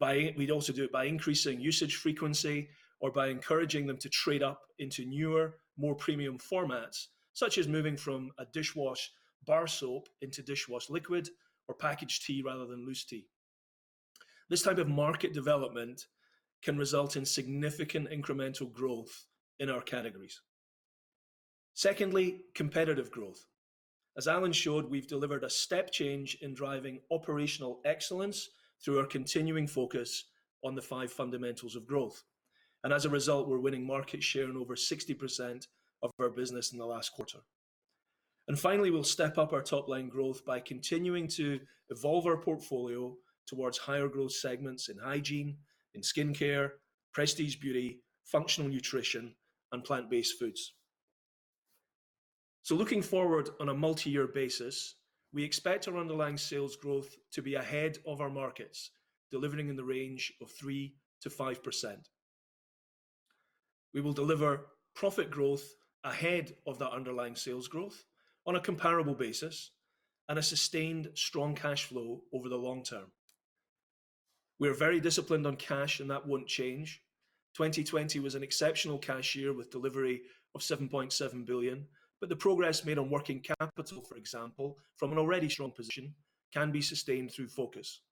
We'd also do it by increasing usage frequency or by encouraging them to trade up into newer, more premium formats, such as moving from a dishwash bar soap into dishwash liquid or packaged tea rather than loose tea. This type of market development can result in significant incremental growth in our categories. Secondly, competitive growth. As Alan showed, we've delivered a step change in driving operational excellence through our continuing focus on the five fundamentals of growth. As a result, we're winning market share in over 60% of our business in the last quarter. Finally, we'll step up our top line growth by continuing to evolve our portfolio towards higher growth segments in hygiene, in skincare, Prestige Beauty, functional nutrition, and plant-based foods. Looking forward on a multi-year basis, we expect our underlying sales growth to be ahead of our markets, delivering in the range of 3%-5%. We will deliver profit growth ahead of that underlying sales growth on a comparable basis and a sustained strong cash flow over the long term. We are very disciplined on cash, and that won't change. 2020 was an exceptional cash year with delivery of 7.7 billion, but the progress made on working capital, for example, from an already strong position, can be sustained through focus.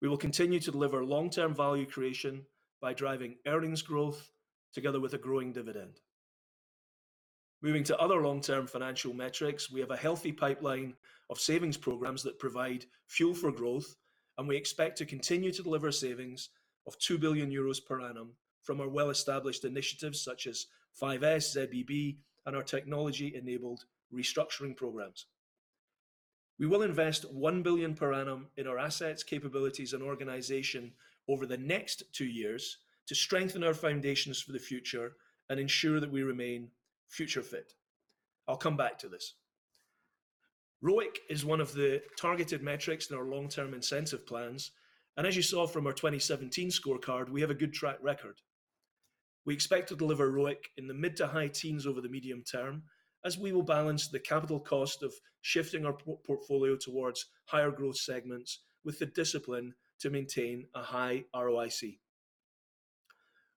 We will continue to deliver long-term value creation by driving earnings growth together with a growing dividend. Moving to other long-term financial metrics, we have a healthy pipeline of savings programs that provide fuel for growth, and we expect to continue to deliver savings of 2 billion euros per annum from our well-established initiatives such as 5S, ZBB, and our technology-enabled restructuring programs. We will invest 1 billion per annum in our assets, capabilities, and organization over the next two years to strengthen our foundations for the future and ensure that we remain future fit. I'll come back to this. ROIC is one of the targeted metrics in our long-term incentive plans, and as you saw from our 2017 scorecard, we have a good track record. We expect to deliver ROIC in the mid to high teens over the medium term as we will balance the capital cost of shifting our portfolio towards higher growth segments with the discipline to maintain a high ROIC.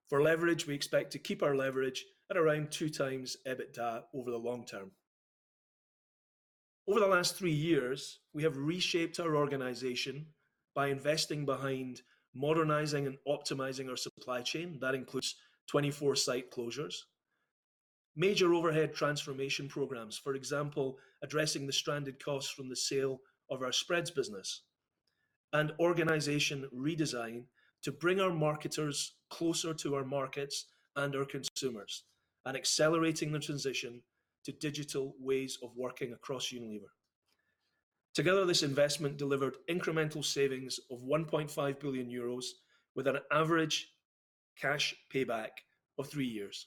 For leverage, we expect to keep our leverage at around 2x EBITDA over the long term. Over the last three years, we have reshaped our organization by investing behind modernizing and optimizing our supply chain. That includes 24 site closures, major overhead transformation programs, for example, addressing the stranded costs from the sale of our spreads business, and organization redesign to bring our marketers closer to our markets and our consumers, and accelerating the transition to digital ways of working across Unilever. Together, this investment delivered incremental savings of 1 billion euros with an average cash payback of three years.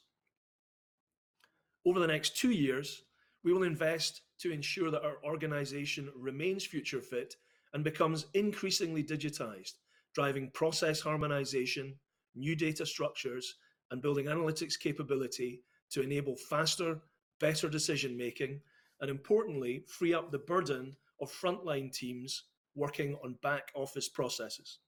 Over the next two years, we will invest to ensure that our organization remains future fit and becomes increasingly digitized, driving process harmonization, new data structures, and building analytics capability to enable faster, better decision making, and importantly, free up the burden of frontline teams working on back-office processes.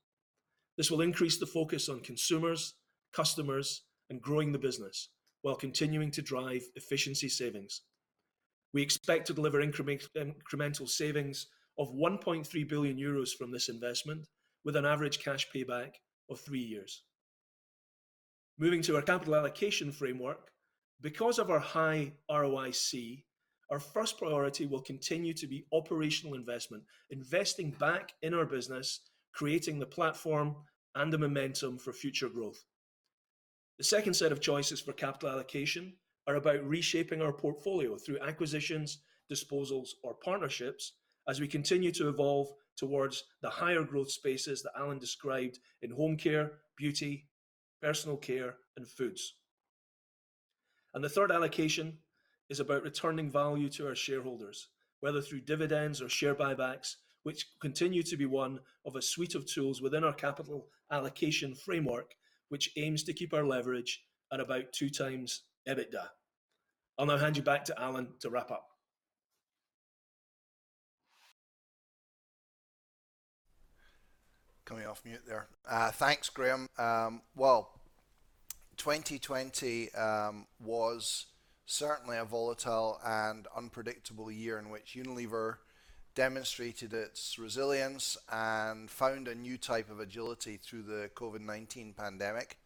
This will increase the focus on consumers, customers, and growing the business while continuing to drive efficiency savings. We expect to deliver incremental savings of 1 billion euros from this investment with an average cash payback of three years. Moving to our capital allocation framework, because of our high ROIC, our first priority will continue to be operational investment, investing back in our business, creating the platform and the momentum for future growth. The second set of choices for capital allocation are about reshaping our portfolio through acquisitions, disposals, or partnerships as we continue to evolve towards the higher growth spaces that Alan described in home care, beauty, personal care, and foods. The third allocation is about returning value to our shareholders, whether through dividends or share buybacks, which continue to be one of a suite of tools within our capital allocation framework, which aims to keep our leverage at about 2x EBITDA. I'll now hand you back to Alan to wrap up. Coming off mute there. Thanks, Graeme. 2020 was certainly a volatile and unpredictable year in which Unilever demonstrated its resilience and found a new type of agility through the COVID-19 pandemic.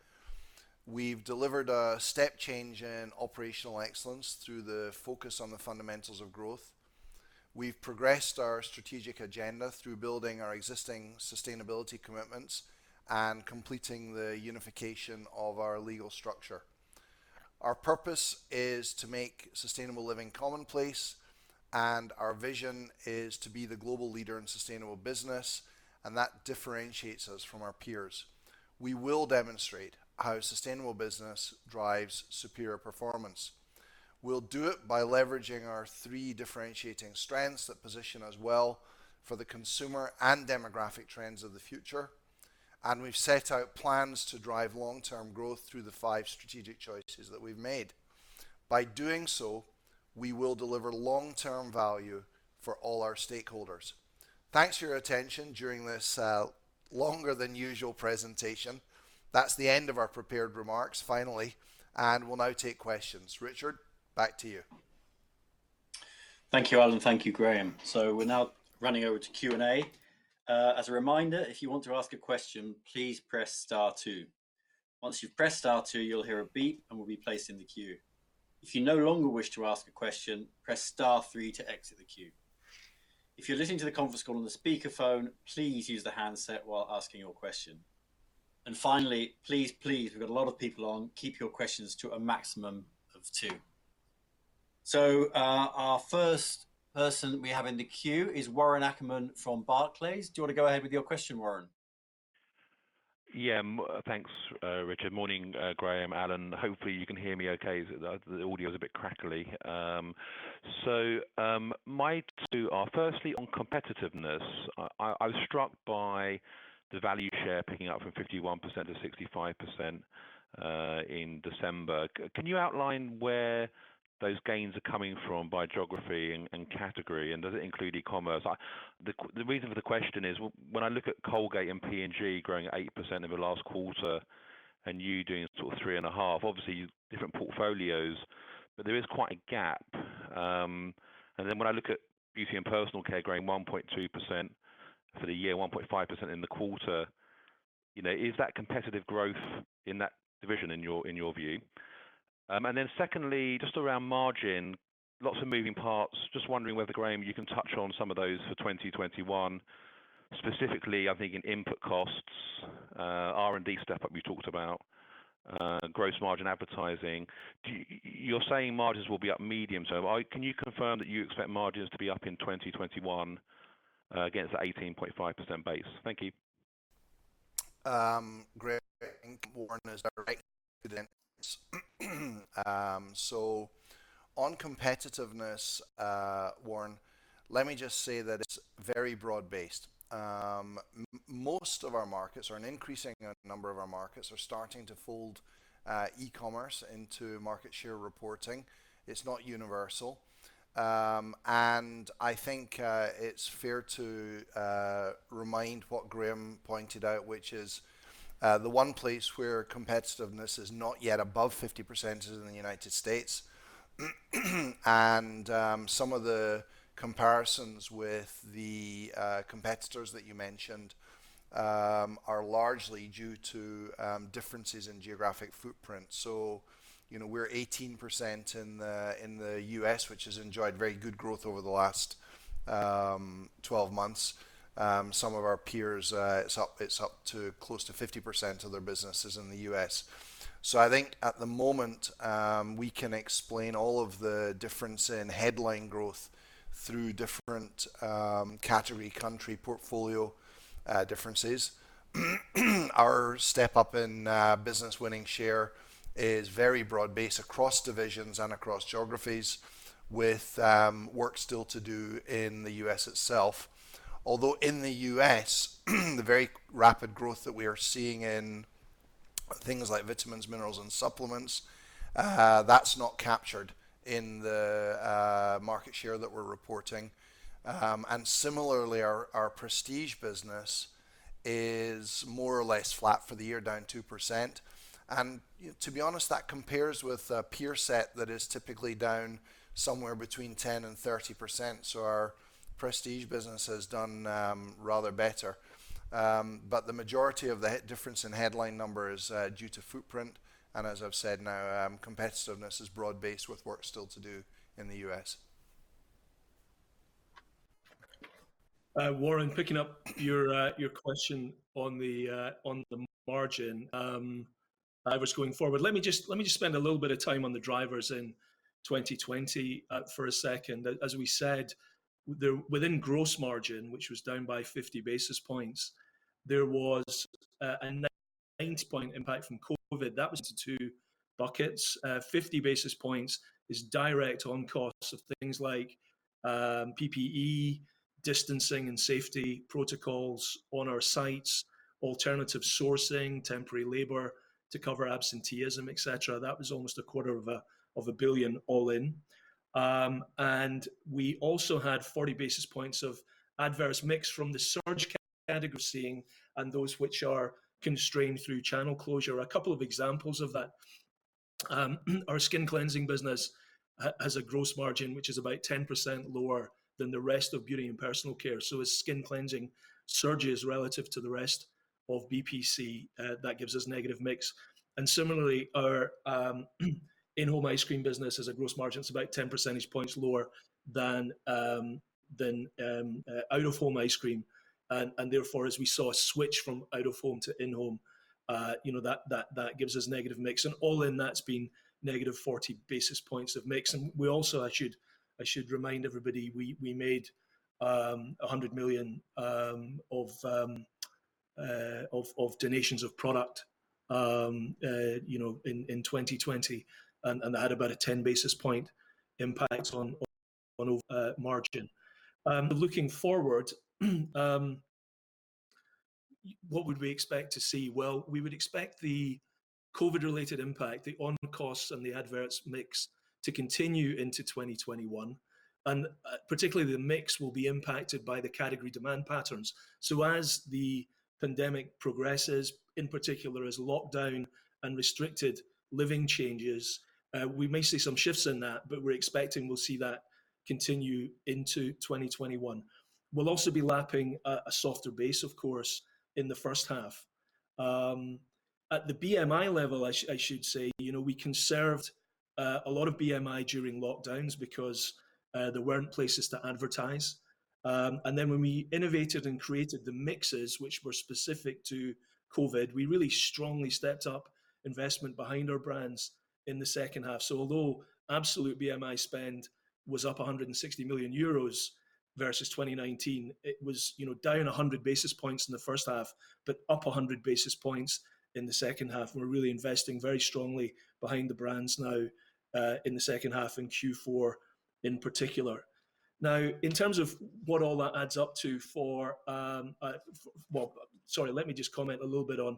We've delivered a step change in operational excellence through the focus on the fundamentals of growth. We've progressed our strategic agenda through building our existing sustainability commitments and completing the unification of our legal structure. Our purpose is to make sustainable living commonplace. Our vision is to be the global leader in sustainable business. That differentiates us from our peers. We will demonstrate how sustainable business drives superior performance. We'll do it by leveraging our three differentiating strengths that position us well for the consumer and demographic trends of the future. We've set out plans to drive long-term growth through the five strategic choices that we've made. By doing so, we will deliver long-term value for all our stakeholders. Thanks for your attention during this longer than usual presentation. That's the end of our prepared remarks, finally. We'll now take questions. Richard, back to you. Thank you, Alan. Thank you, Graeme. We're now running over to Q&A. As a reminder, if you want to ask a question, please press star two. Once you've pressed star two, you'll hear a beep and will be placed in the queue. If you no longer wish to ask a question, press star three to exit the queue. If you're listening to the conference call on the speakerphone, please use the handset while asking your question. Finally, please, we've got a lot of people on, keep your questions to a maximum of two. Our first person we have in the queue is Warren Ackerman from Barclays. Do you want to go ahead with your question, Warren? Yeah, thanks, Richard. Morning Graeme, Alan. Hopefully, you can hear me okay. The audio's a bit crackly. My two are firstly on competitiveness. I was struck by the value share picking up from 51% to 65% in December. Can you outline where those gains are coming from by geography and category, and does it include e-commerce? The reason for the question is when I look at Colgate and P&G growing 8% over the last quarter and you doing sort of 3.5, obviously different portfolios, but there is quite a gap. When I look at Beauty and Personal Care growing 1.2% for the year, 1.5% in the quarter, is that competitive growth in that division in your view? Secondly, just around margin, lots of moving parts. Just wondering whether, Graeme, you can touch on some of those for 2021. Specifically, I'm thinking input costs, R&D step-up we talked about, gross margin advertising. You're saying margins will be up medium, can you confirm that you expect margins to be up in 2021 against that 18.5% base? Thank you. Graeme, I think Warren is right to the so on competitiveness, Warren, let me just say that it's very broad based. Most of our markets, or an increasing number of our markets, are starting to fold e-commerce into market share reporting. It's not universal. I think it's fair to remind what Graeme pointed out, which is the one place where competitiveness is not yet above 50% is in the United States. Some of the comparisons with the competitors that you mentioned are largely due to differences in geographic footprint. We're 18% in the U.S., which has enjoyed very good growth over the last 12 months. Some of our peers, it's up to close to 50% of their businesses in the U.S. I think at the moment, we can explain all of the difference in headline growth through different category country portfolio differences. Our step-up in business winning share is very broad based across divisions and across geographies with work still to do in the U.S. itself. In the U.S. the very rapid growth that we are seeing in things like vitamins, minerals, and supplements, that's not captured in the market share that we're reporting. Similarly, our Prestige business is more or less flat for the year, down 2%. To be honest, that compares with a peer set that is typically down somewhere between 10% and 30%. Our Prestige business has done rather better. The majority of the difference in headline number is due to footprint, and as I've said now, competitiveness is broad based with work still to do in the U.S. Warren, picking up your question on the margin. Let me just spend a little bit of time on the drivers in 2020 for a second. As we said, within gross margin, which was down by 50 basis points, there was a nine point impact from COVID. That was to two buckets. 50 basis points is direct on costs of things like PPE, distancing, and safety protocols on our sites, alternative sourcing, temporary labor to cover absenteeism, etc. That was almost a quarter of a billion all in. We also had 40 basis points of adverse mix from the surge category and those which are constrained through channel closure. A couple of examples of that, our skin cleansing business has a gross margin, which is about 10% lower than the rest of beauty and personal care. As skin cleansing surges relative to the rest of BPC, that gives us negative mix. Similarly, our in-home ice cream business has a gross margin that's about 10 percentage points lower than out-of-home ice cream. Therefore, as we saw a switch from out-of-home to in-home, that gives us negative mix. All in, that's been -40 basis points of mix. We also, I should remind everybody, we made 100 million of donations of product in 2020, and that had about a 10 basis point impact on margin. Looking forward, what would we expect to see? We would expect the COVID-19 related impact, the on costs and the adverse mix to continue into 2021. Particularly the mix will be impacted by the category demand patterns. As the pandemic progresses, in particular as lockdown and restricted living changes, we may see some shifts in that, but we're expecting we'll see that continue into 2021. We'll also be lapping a softer base, of course, in the first half. At the BMI level, I should say, we conserved a lot of BMI during lockdowns because there weren't places to advertise. Then when we innovated and created the mixes which were specific to COVID, we really strongly stepped up investment behind our brands in the second half. Although absolute BMI spend was up 160 million euros versus 2019, it was down 100 basis points in the first half, but up 100 basis points in the second half. We're really investing very strongly behind the brands now in the second half, in Q4 in particular. In terms of what all that adds up to, Well, sorry, let me just comment a little bit on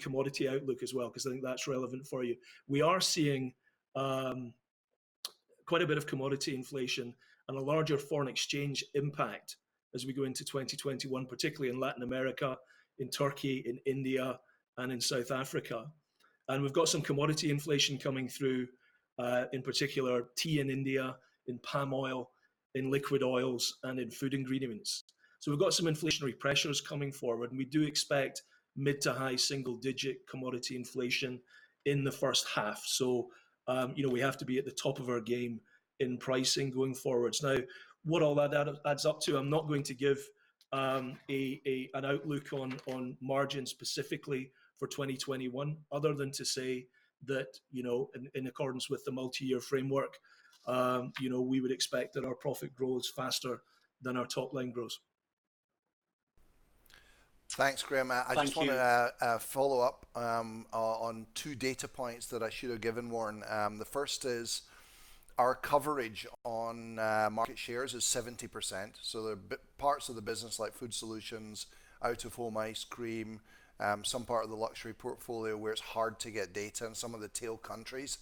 commodity outlook as well, because I think that's relevant for you. We are seeing quite a bit of commodity inflation and a larger foreign exchange impact as we go into 2021, particularly in Latin America, in Turkey, in India and in South Africa. We've got some commodity inflation coming through, in particular tea in India, in palm oil, in liquid oils, and in food ingredients. We've got some inflationary pressures coming forward, and we do expect mid to high single digit commodity inflation in the first half. We have to be at the top of our game in pricing going forwards. Now, what all that adds up to, I'm not going to give an outlook on margin specifically for 2021 other than to say that in accordance with the multi-year framework, we would expect that our profit grows faster than our top line grows. Thanks, Graeme. Thank you. I just want to follow up on two data points that I should have given Warren. The first is our coverage on market shares is 70%. There are parts of the business like food solutions, out-of-home ice cream, some part of the luxury portfolio where it's hard to get data in some of the tail countries.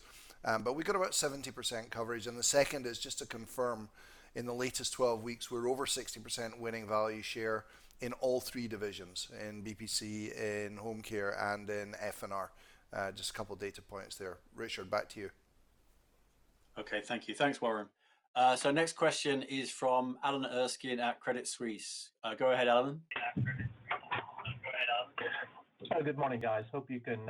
We've got about 70% coverage. The second is just to confirm in the latest 12 weeks, we're over 60% winning value share in all three divisions, in BPC, in home care, and in FNR. Just a couple data points there. Richard, back to you. Okay. Thank you. Thanks, Warren. Next question is from Alan Erskine at Credit Suisse. Go ahead, Alan. Good morning, guys. Hope you can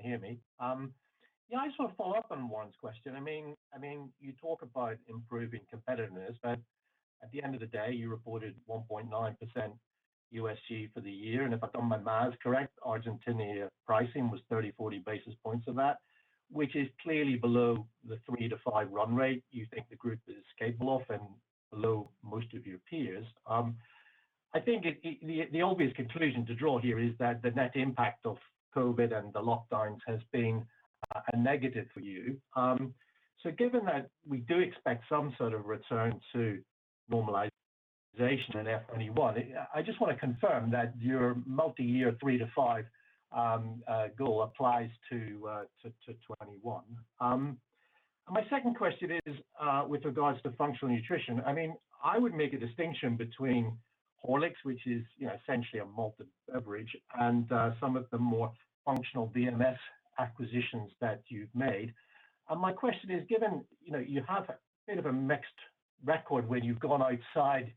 hear me. I just want to follow up on Warren's question. You talk about improving competitiveness, but at the end of the day, you reported 1.9% USG for the year, and if I've done my math correct, Argentina pricing was 30, 40 basis points of that, which is clearly below the three to five run rate you think the group is capable of and below most of your peers. I think the obvious conclusion to draw here is that the net impact of COVID and the lockdowns has been a negative for you. Given that we do expect some sort of return to normalization in FY2021, I just want to confirm that your multi-year three to five goal applies to 2021. My second question is with regards to functional nutrition. I would make a distinction between Horlicks, which is essentially a malted beverage, and some of the more functional VMS acquisitions that you've made. My question is, given you have a bit of a mixed record when you've gone outside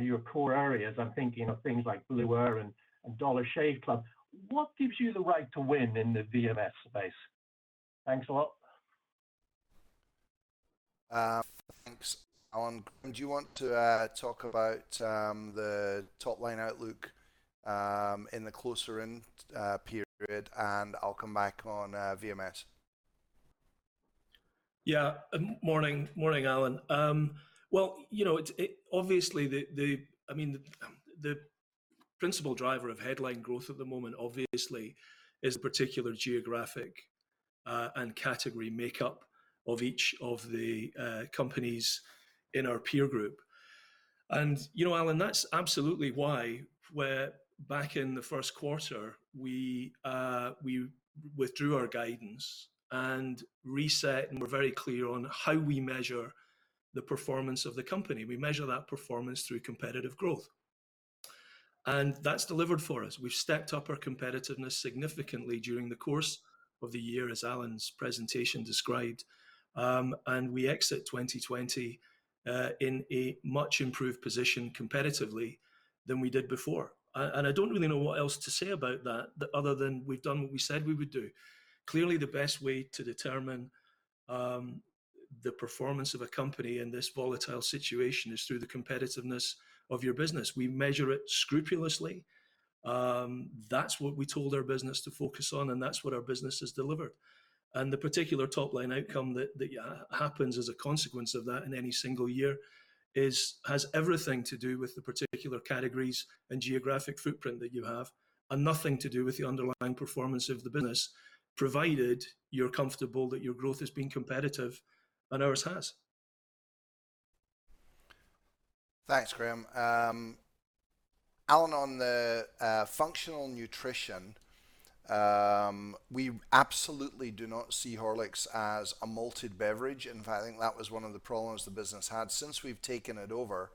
your core areas, I'm thinking of things like Blueair and Dollar Shave Club. What gives you the right to win in the VMS space? Thanks a lot. Thanks, Alan. Do you want to talk about the top line outlook in the closer in period, and I'll come back on VMS. Morning, Alan. Well, obviously, the principal driver of headline growth at the moment obviously is the particular geographic and category makeup of each of the companies in our peer group. Alan, that's absolutely why back in the first quarter, we withdrew our guidance and reset, and were very clear on how we measure the performance of the company. We measure that performance through competitive growth. That's delivered for us. We've stepped up our competitiveness significantly during the course of the year, as Alan's presentation described. We exit 2020 in a much improved position competitively than we did before. I don't really know what else to say about that, other than we've done what we said we would do. Clearly, the best way to determine the performance of a company in this volatile situation is through the competitiveness of your business. We measure it scrupulously. That's what we told our business to focus on, and that's what our business has delivered. The particular top-line outcome that happens as a consequence of that in any single year has everything to do with the particular categories and geographic footprint that you have, and nothing to do with the underlying performance of the business, provided you're comfortable that your growth has been competitive, and ours has. Thanks, Graeme. Alan, on the functional nutrition, we absolutely do not see Horlicks as a malted beverage. In fact, I think that was one of the problems the business had. Since we've taken it over,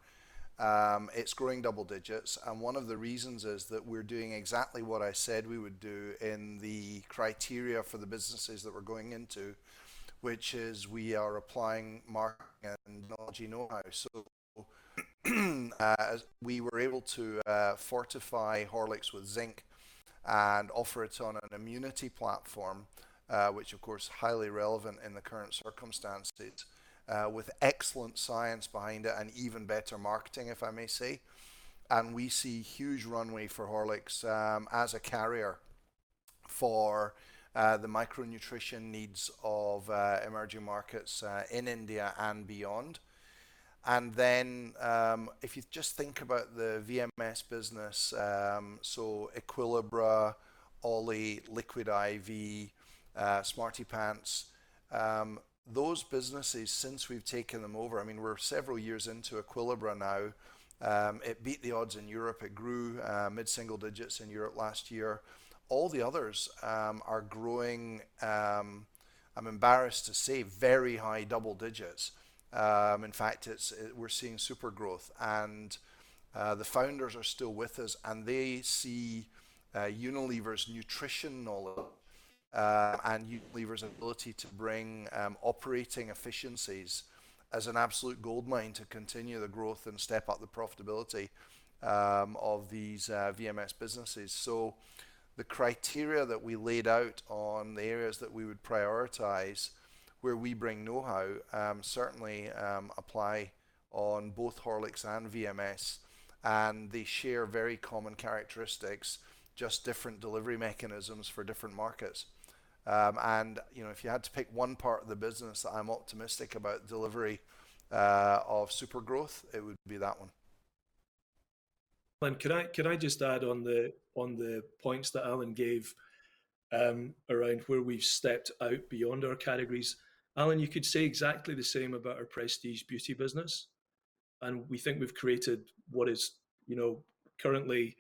it's growing double digits, and one of the reasons is that we're doing exactly what I said we would do in the criteria for the businesses that we're going into, which is we are applying marketing and technology knowhow. We were able to fortify Horlicks with zinc and offer it on an immunity platform, which of course, highly relevant in the current circumstances, with excellent science behind it and even better marketing, if I may say. We see huge runway for Horlicks as a carrier for the micronutrition needs of emerging markets in India and beyond. If you just think about the VMS business, so Equilibra, OLLY, Liquid I.V., SmartyPants, those businesses since we've taken them over, we're several years into Equilibra now. It beat the odds in Europe. It grew mid-single digits in Europe last year. All the others are growing, I'm embarrassed to say, very high double digits. We're seeing super growth and the founders are still with us, and they see Unilever's nutrition knowledge and Unilever's ability to bring operating efficiencies as an absolute goldmine to continue the growth and step up the profitability of these VMS businesses. The criteria that we laid out on the areas that we would prioritize, where we bring knowhow, certainly apply on both Horlicks and VMS, and they share very common characteristics, just different delivery mechanisms for different markets. If you had to pick one part of the business that I'm optimistic about delivery of super growth, it would be that one. Alan, can I just add on the points that Alan gave around where we've stepped out beyond our categories. Alan, you could say exactly the same about our prestige beauty business, and we think we've created what is currently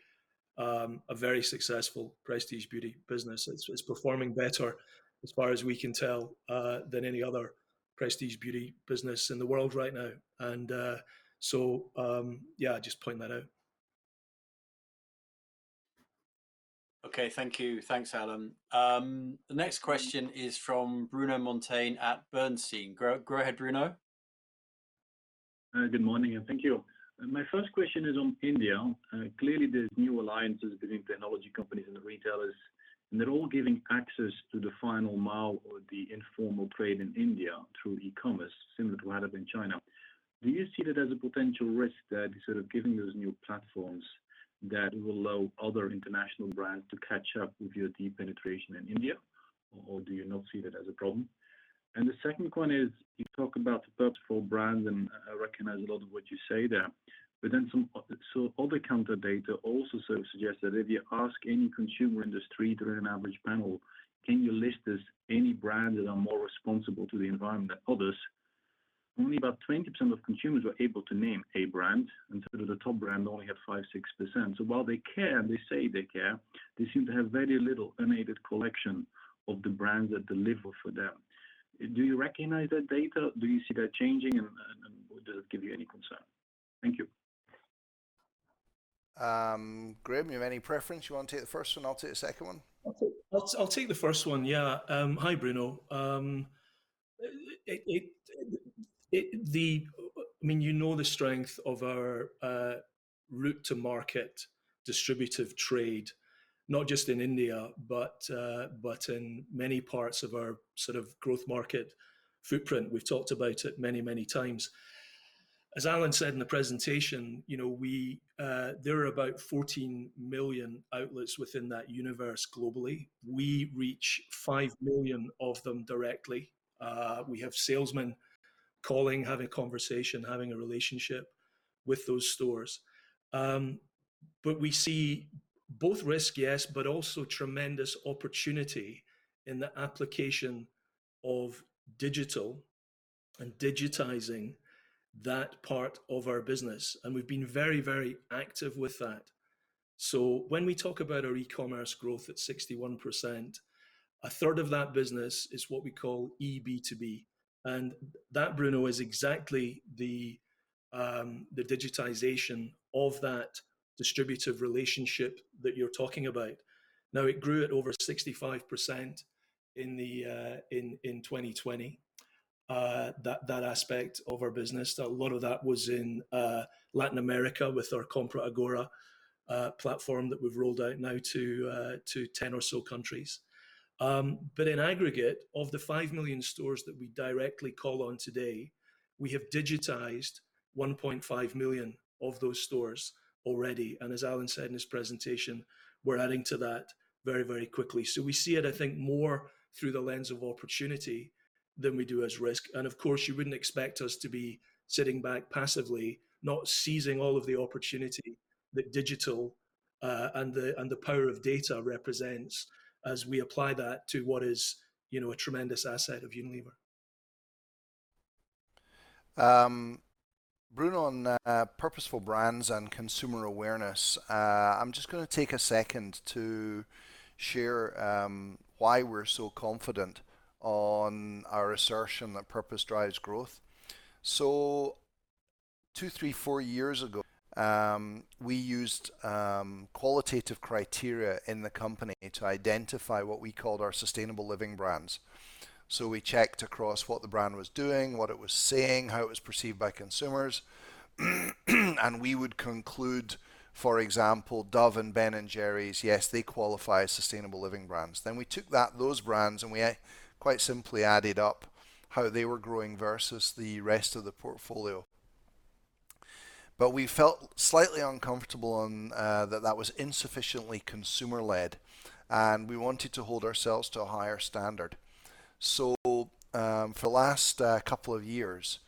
a very successful prestige beauty business. It's performing better as far as we can tell, than any other prestige beauty business in the world right now. Yeah, just pointing that out. Okay. Thank you. Thanks, Alan. The next question is from Bruno Monteyne at Bernstein. Go ahead, Bruno. Good morning, and thank you. My first question is on India. Clearly, there's new alliances between technology companies and the retailers, and they're all giving access to the final mile or the informal trade in India through e-commerce, similar to what happened in China. Do you see that as a potential risk that is sort of giving those new platforms that will allow other international brands to catch up with your deep penetration in India, or do you not see that as a problem? The second one is you talk about the purposeful brands, and I recognize a lot of what you say there, but then some other counter data also sort of suggests that if you ask any consumer in the street or an average panel, "Can you list us any brands that are more responsible to the environment than others?" Only about 20% of consumers were able to name a brand, and sort of the top brand only had 5%, 6%. While they care, they say they care, they seem to have very little unaided collection of the brands that deliver for them. Do you recognize that data? Do you see that changing, and does it give you any concern? Thank you. Graeme, you have any preference? You want to take the first one, I'll take the second one? I'll take the first one, yeah. Hi, Bruno. You know the strength of our route to market distributive trade, not just in India, but in many parts of our sort of growth market footprint. We've talked about it many times. As Alan said in the presentation, there are about 14 million outlets within that universe globally. We reach 5 million of them directly. We have salesmen calling, having conversation, having a relationship with those stores. We see both risk, yes, but also tremendous opportunity in the application of digital and digitizing that part of our business, and we've been very active with that. When we talk about our e-commerce growth at 61%, a third of that business is what we call eB2B. That, Bruno, is exactly the digitization of that distributive relationship that you're talking about. It grew at over 65% in 2020, that aspect of our business. A lot of that was in Latin America with our Compra Agora platform that we've rolled out now to 10 or so countries. In aggregate of the 5 million stores that we directly call on today, we have digitized 1.5 million of those stores already. As Alan said in his presentation, we're adding to that very quickly. We see it, I think, more through the lens of opportunity than we do as risk. Of course, you wouldn't expect us to be sitting back passively, not seizing all of the opportunity that digital and the power of data represents as we apply that to what is a tremendous asset of Unilever. Bruno, on purposeful brands and consumer awareness, I'm just going to take a second to share why we're so confident on our assertion that purpose drives growth. Two, three, four years ago, we used qualitative criteria in the company to identify what we called our Sustainable Living Brands. We checked across what the brand was doing, what it was saying, how it was perceived by consumers. We would conclude, for example, Dove and Ben & Jerry's, yes, they qualify as Sustainable Living Brands. We took those brands, and we quite simply added up how they were growing versus the rest of the portfolio. We felt slightly uncomfortable on that was insufficiently consumer led, and we wanted to hold ourselves to a higher standard. For the last couple of years,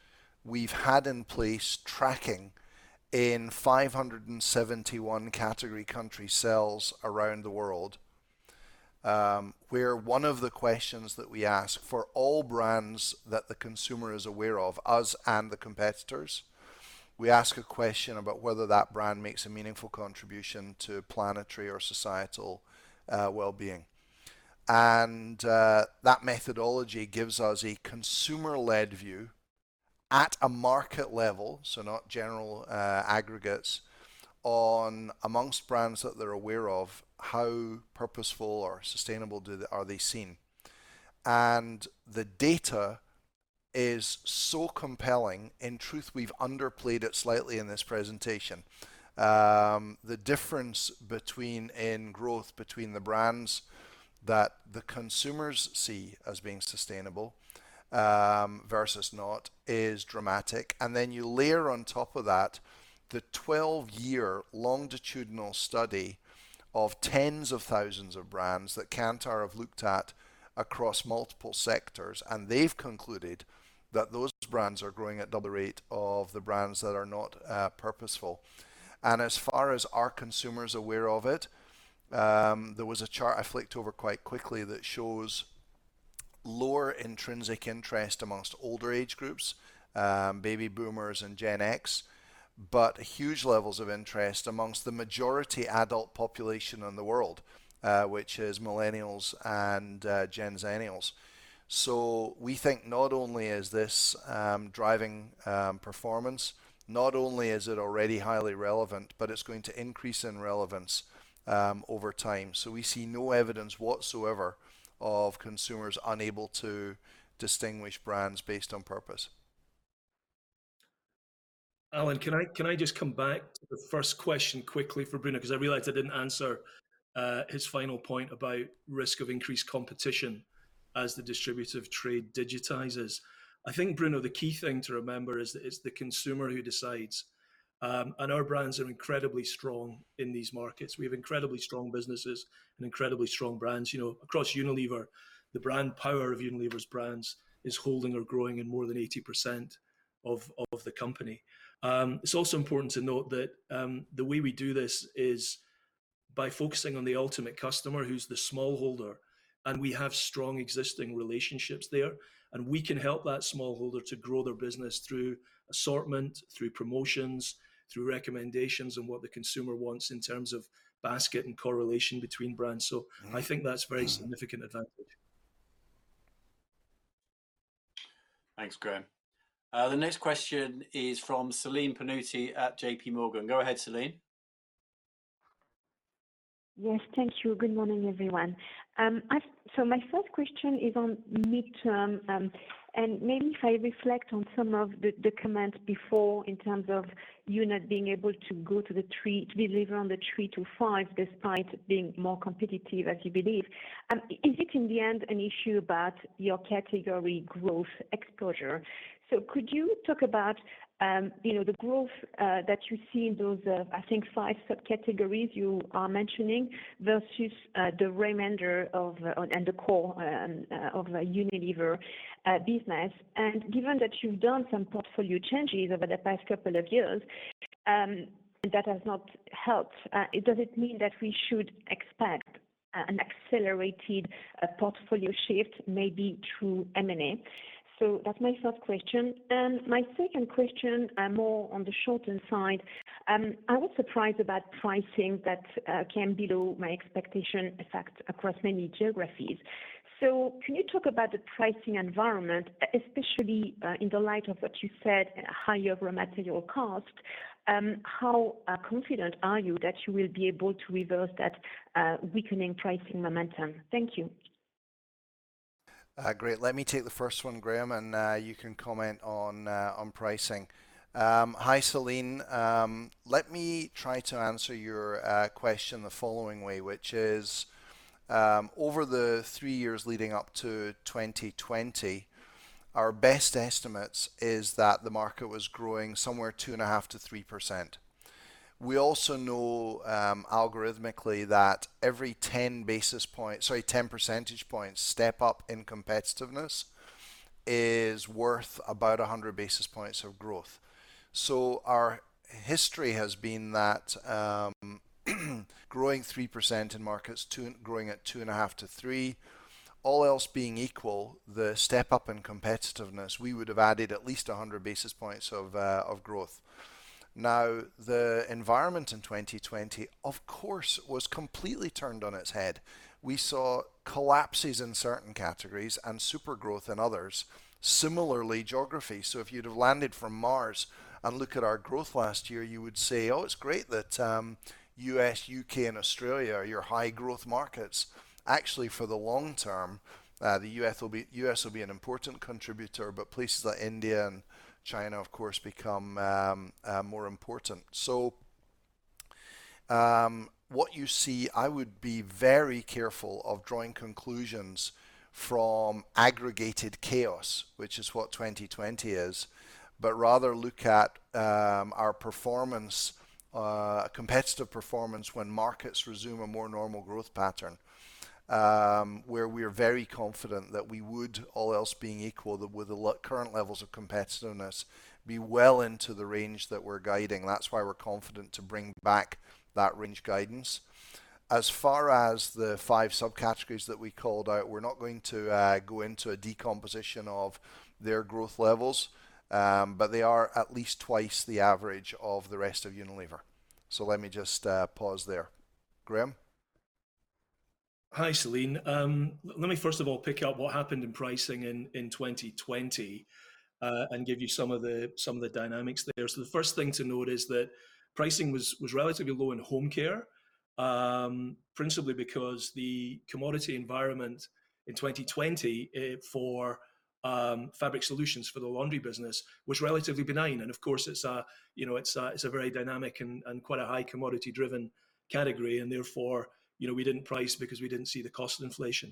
we've had in place tracking in 571 category country sales around the world, where one of the questions that we ask for all brands that the consumer is aware of, us and the competitors, we ask a question about whether that brand makes a meaningful contribution to planetary or societal well-being. That methodology gives us a consumer-led view at a market level, so not general aggregates on amongst brands that they're aware of how purposeful or sustainable are they seen. The data is so compelling. In truth, we've underplayed it slightly in this presentation. The difference in growth between the brands that the consumers see as being sustainable versus not is dramatic. You layer on top of that the 12-year longitudinal study of tens of thousands of brands that Kantar have looked at across multiple sectors. They've concluded that those brands are growing at double rate of the brands that are not purposeful. As far as are consumers aware of it, there was a chart I flicked over quite quickly that shows lower intrinsic interest amongst older age groups, baby boomers and Gen X, but huge levels of interest amongst the majority adult population in the world, which is millennials and Gen Zennials. We think not only is this driving performance, not only is it already highly relevant, but it's going to increase in relevance over time. We see no evidence whatsoever of consumers unable to distinguish brands based on purpose. Alan, can I just come back to the first question quickly for Bruno because I realized I didn't answer his final point about risk of increased competition as the distributive trade digitizes. I think, Bruno, the key thing to remember is that it's the consumer who decides. Our brands are incredibly strong in these markets. We have incredibly strong businesses and incredibly strong brands. Across Unilever, the brand power of Unilever's brands is holding or growing in more than 80% of the company. It's also important to note that the way we do this is by focusing on the ultimate customer, who's the smallholder, and we have strong existing relationships there, and we can help that smallholder to grow their business through assortment, through promotions, through recommendations on what the consumer wants in terms of basket and correlation between brands. I think that's a very significant advantage. Thanks, Graeme. The next question is from Celine Pannuti at JPMorgan. Go ahead, Celine. Yes. Thank you. Good morning, everyone. My first question is on midterm, and maybe if I reflect on some of the comments before in terms of you not being able to go to the 3%, to deliver on the 3%-5% despite being more competitive as you believe. Is it in the end an issue about your category growth exposure? Could you talk about the growth that you see in those, I think, five subcategories you are mentioning versus the remainder and the core of the Unilever business? Given that you've done some portfolio changes over the past couple of years. That has not helped. Does it mean that we should expect an accelerated portfolio shift maybe through M&A? That's my first question. My second question, more on the shorter side. I was surprised about pricing that came below my expectation effect across many geographies. Can you talk about the pricing environment, especially in the light of what you said, higher raw material cost? How confident are you that you will be able to reverse that weakening pricing momentum? Thank you. Great. Let me take the first one, Graeme, and you can comment on pricing. Hi, Celine. Let me try to answer your question the following way, which is, over the three years leading up to 2020, our best estimate is that the market was growing somewhere two and a half to 3%. We also know algorithmically that every 10 percentage point step up in competitiveness is worth about 100 basis points of growth. Our history has been that growing 3% in markets, growing at two and a half to three, all else being equal, the step up in competitiveness, we would have added at least 100 basis points of growth. Now, the environment in 2020, of course, was completely turned on its head. We saw collapses in certain categories and super growth in others. Similarly, geography. If you'd have landed from Mars and look at our growth last year, you would say, "Oh, it's great that U.S., U.K., and Australia are your high growth markets." Actually, for the long term, the U.S. will be an important contributor, but places like India and China, of course, become more important. What you see, I would be very careful of drawing conclusions from aggregated chaos, which is what 2020 is, but rather look at our competitive performance when markets resume a more normal growth pattern, where we are very confident that we would, all else being equal, with the current levels of competitiveness, be well into the range that we're guiding. That's why we're confident to bring back that range guidance. As far as the five subcategories that we called out, we're not going to go into a decomposition of their growth levels, but they are at least twice the average of the rest of Unilever. Let me just pause there. Graeme? Hi, Celine. Let me first of all pick up what happened in pricing in 2020, and give you some of the dynamics there. The first thing to note is that pricing was relatively low in home care, principally because the commodity environment in 2020 for fabric solutions for the laundry business was relatively benign. Of course, it's a very dynamic and quite a high commodity driven category and therefore, we didn't price because we didn't see the cost of inflation.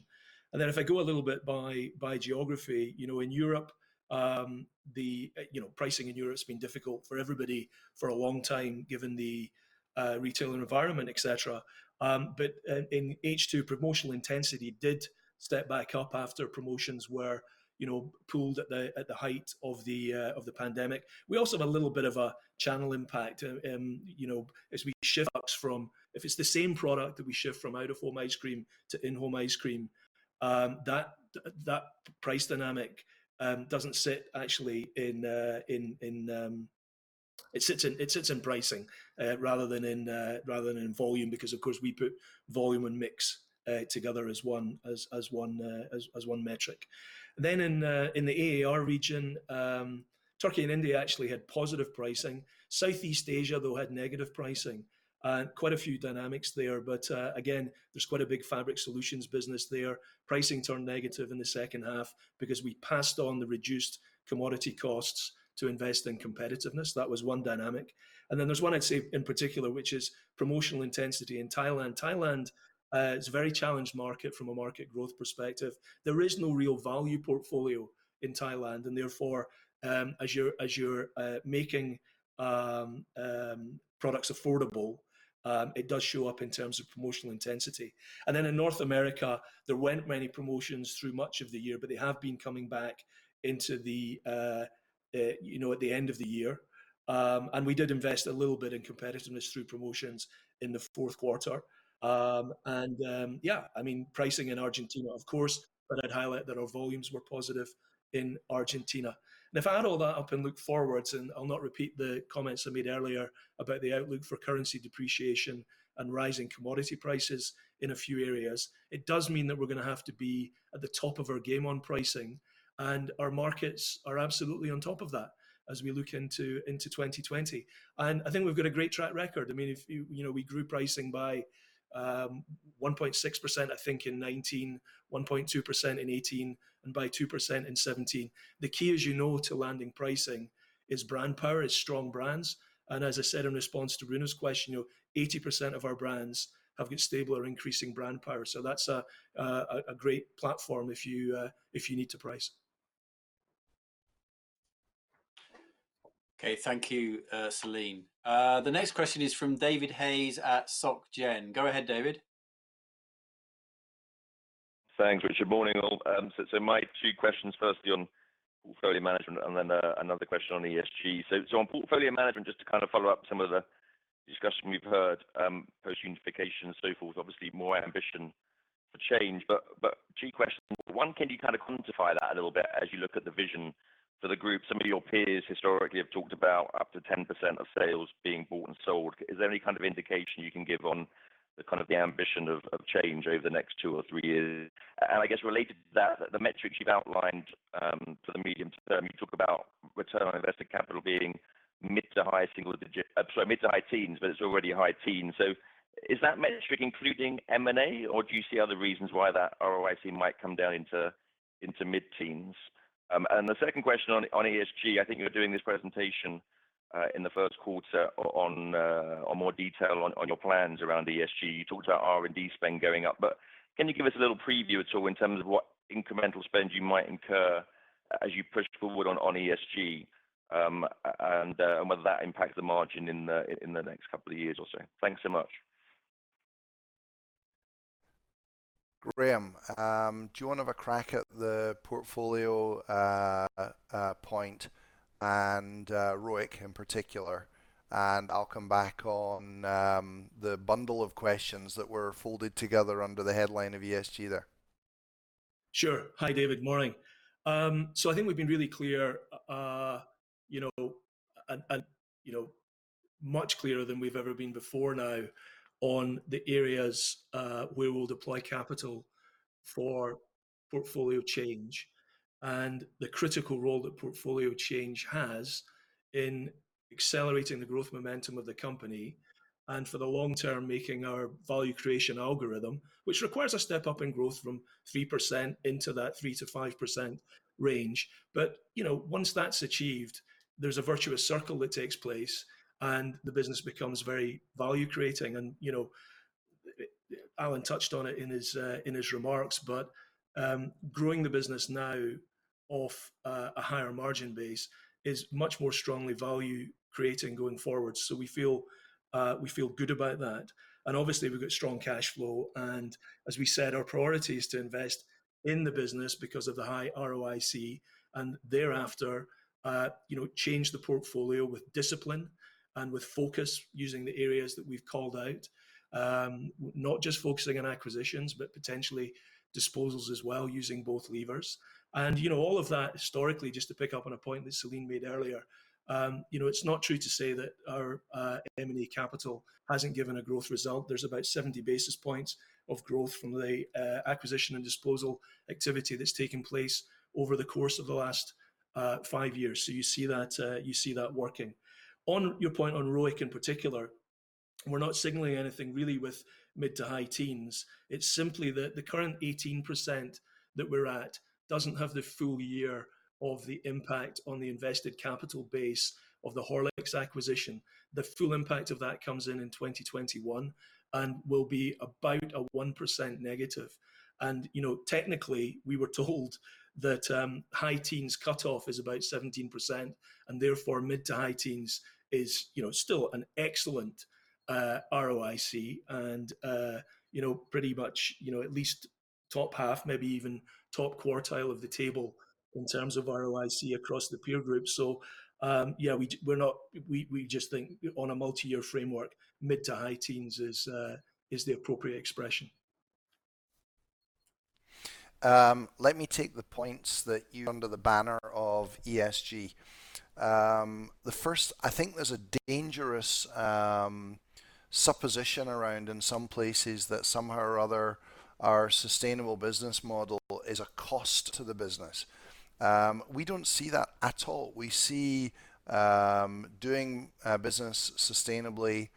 If I go a little bit by geography, pricing in Europe has been difficult for everybody for a long time given the retailing environment, etc. In H2, promotional intensity did step back up after promotions were pooled at the height of the pandemic. We also have a little bit of a channel impact, as we shift from, if it's the same product that we shift from out-of-home ice cream to in-home ice cream, that price dynamic doesn't sit actually in. It sits in pricing rather than in volume because, of course, we put volume and mix together as one metric. In the AAR region, Turkey and India actually had positive pricing. Southeast Asia, though, had negative pricing. Quite a few dynamics there, but again, there's quite a big fabric solutions business there. Pricing turned negative in the second half because we passed on the reduced commodity costs to invest in competitiveness. That was one dynamic. There's one I'd say in particular, which is promotional intensity in Thailand. Thailand is a very challenged market from a market growth perspective. There is no real value portfolio in Thailand, and therefore, as you're making products affordable, it does show up in terms of promotional intensity. Then in North America, there weren't many promotions through much of the year, but they have been coming back at the end of the year. We did invest a little bit in competitiveness through promotions in the fourth quarter. Yeah, pricing in Argentina, of course, but I'd highlight that our volumes were positive in Argentina. If I add all that up and look forwards, and I'll not repeat the comments I made earlier about the outlook for currency depreciation and rising commodity prices in a few areas, it does mean that we're going to have to be at the top of our game on pricing, and our markets are absolutely on top of that as we look into 2020. I think we've got a great track record. We grew pricing by 1.6%, I think, in 2019, 1.2% in 2018, and by 2% in 2017. The key, as you know, to landing pricing is brand power, is strong brands. As I said in response to Bruno's question, 80% of our brands have stable or increasing brand power. That's a great platform if you need to price. Okay. Thank you, Celine. The next question is from David Hayes at Société Générale. Go ahead, David. Thanks, Richard. Morning, all. My two questions, firstly on portfolio management and then another question on ESG. On portfolio management, just to follow up some of the discussion we've heard, post-unification and so forth, obviously more ambition for change. Two questions. One, can you kind of quantify that a little bit as you look at the vision for the group? Some of your peers historically have talked about up to 10% of sales being bought and sold. Is there any kind of indication you can give on the kind of the ambition of change over the next two or three years? I guess related to that, the metrics you've outlined for the medium term, you talk about return on invested capital being mid to high teens, but it's already high teens. Is that metric including M&A or do you see other reasons why that ROIC might come down into mid-teens? The second question on ESG, I think you're doing this presentation in the first quarter on more detail on your plans around ESG. You talked about R&D spend going up, but can you give us a little preview at all in terms of what incremental spend you might incur as you push forward on ESG, and whether that impacts the margin in the next couple of years or so? Thanks so much. Graeme, do you want to have a crack at the portfolio point and ROIC in particular? I'll come back on the bundle of questions that were folded together under the headline of ESG there. Sure. Hi, David. Morning. I think we've been really clear, much clearer than we've ever been before now on the areas where we'll deploy capital for portfolio change and the critical role that portfolio change has in accelerating the growth momentum of the company and for the long term, making our value creation algorithm, which requires a step up in growth from 3% into that 3%-5% range. Once that's achieved, there's a virtuous circle that takes place and the business becomes very value creating. Alan touched on it in his remarks, but growing the business now off a higher margin base is much more strongly value creating going forward. We feel good about that. Obviously we've got strong cash flow and as we said, our priority is to invest in the business because of the high ROIC and thereafter change the portfolio with discipline and with focus using the areas that we've called out. Not just focusing on acquisitions, but potentially disposals as well using both levers. All of that historically, just to pick up on a point that Celine made earlier, it's not true to say that our M&A capital hasn't given a growth result. There's about 70 basis points of growth from the acquisition and disposal activity that's taken place over the course of the last five years. You see that working. On your point on ROIC in particular, we're not signaling anything really with mid to high teens. It's simply that the current 18% that we're at doesn't have the full year of the impact on the invested capital base of the Horlicks acquisition. The full impact of that comes in in 2021 and will be about a -1%. Technically we were told that high teens cutoff is about 17%, and therefore mid to high teens is still an excellent ROIC and pretty much at least top half, maybe even top quartile of the table in terms of ROIC across the peer group. Yeah, we just think on a multi-year framework, mid to high teens is the appropriate expression. Let me take the points that you under the banner of ESG. The first, I think there's a dangerous supposition around in some places that somehow or other our sustainable business model is a cost to the business. We don't see that at all. We see doing business sustainably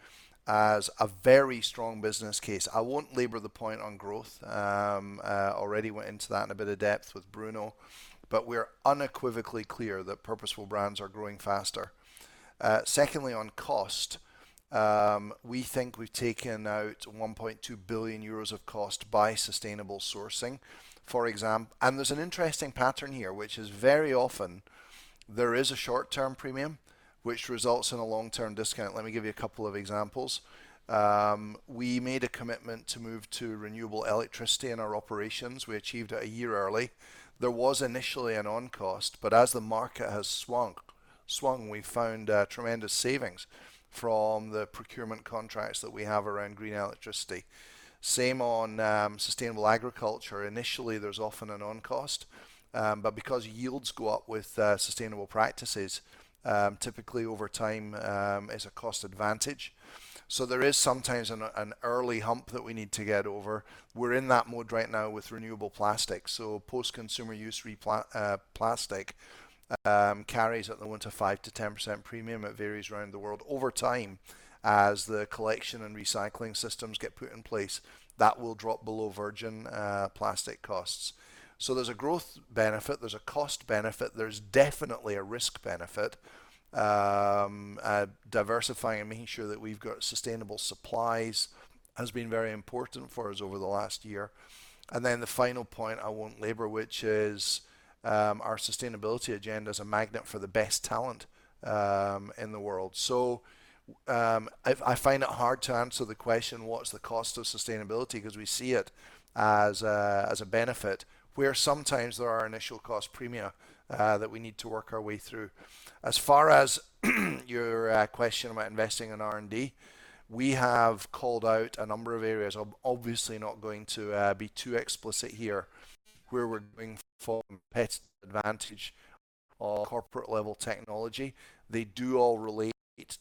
as a very strong business case. I won't labor the point on growth. Already went into that in a bit of depth with Bruno, but we're unequivocally clear that purposeful brands are growing faster. Secondly, on cost, we think we've taken out 1.2 billion euros of cost by sustainable sourcing, for example. There's an interesting pattern here, which is very often there is a short-term premium which results in a long-term discount. Let me give you a couple of examples. We made a commitment to move to renewable electricity in our operations. We achieved it a year early. There was initially an on cost, but as the market has swung, we found tremendous savings from the procurement contracts that we have around green electricity. Same on sustainable agriculture. Initially there's often an on cost, but because yields go up with sustainable practices, typically over time it's a cost advantage. There is sometimes an early hump that we need to get over. We're in that mode right now with renewable plastic. Post-consumer use plastic carries at the 1% to 5% to 10% premium. It varies around the world. Over time, as the collection and recycling systems get put in place, that will drop below virgin plastic costs. There's a growth benefit, there's a cost benefit, there's definitely a risk benefit. Diversifying and making sure that we've got sustainable supplies has been very important for us over the last year. The final point I won't labor, which is our sustainability agenda is a magnet for the best talent in the world. I find it hard to answer the question, what's the cost of sustainability? Because we see it as a benefit, where sometimes there are initial cost premia that we need to work our way through. As far as your question about investing in R&D, we have called out a number of areas. I'm obviously not going to be too explicit here where we're going for competitive advantage or corporate level technology. They do all relate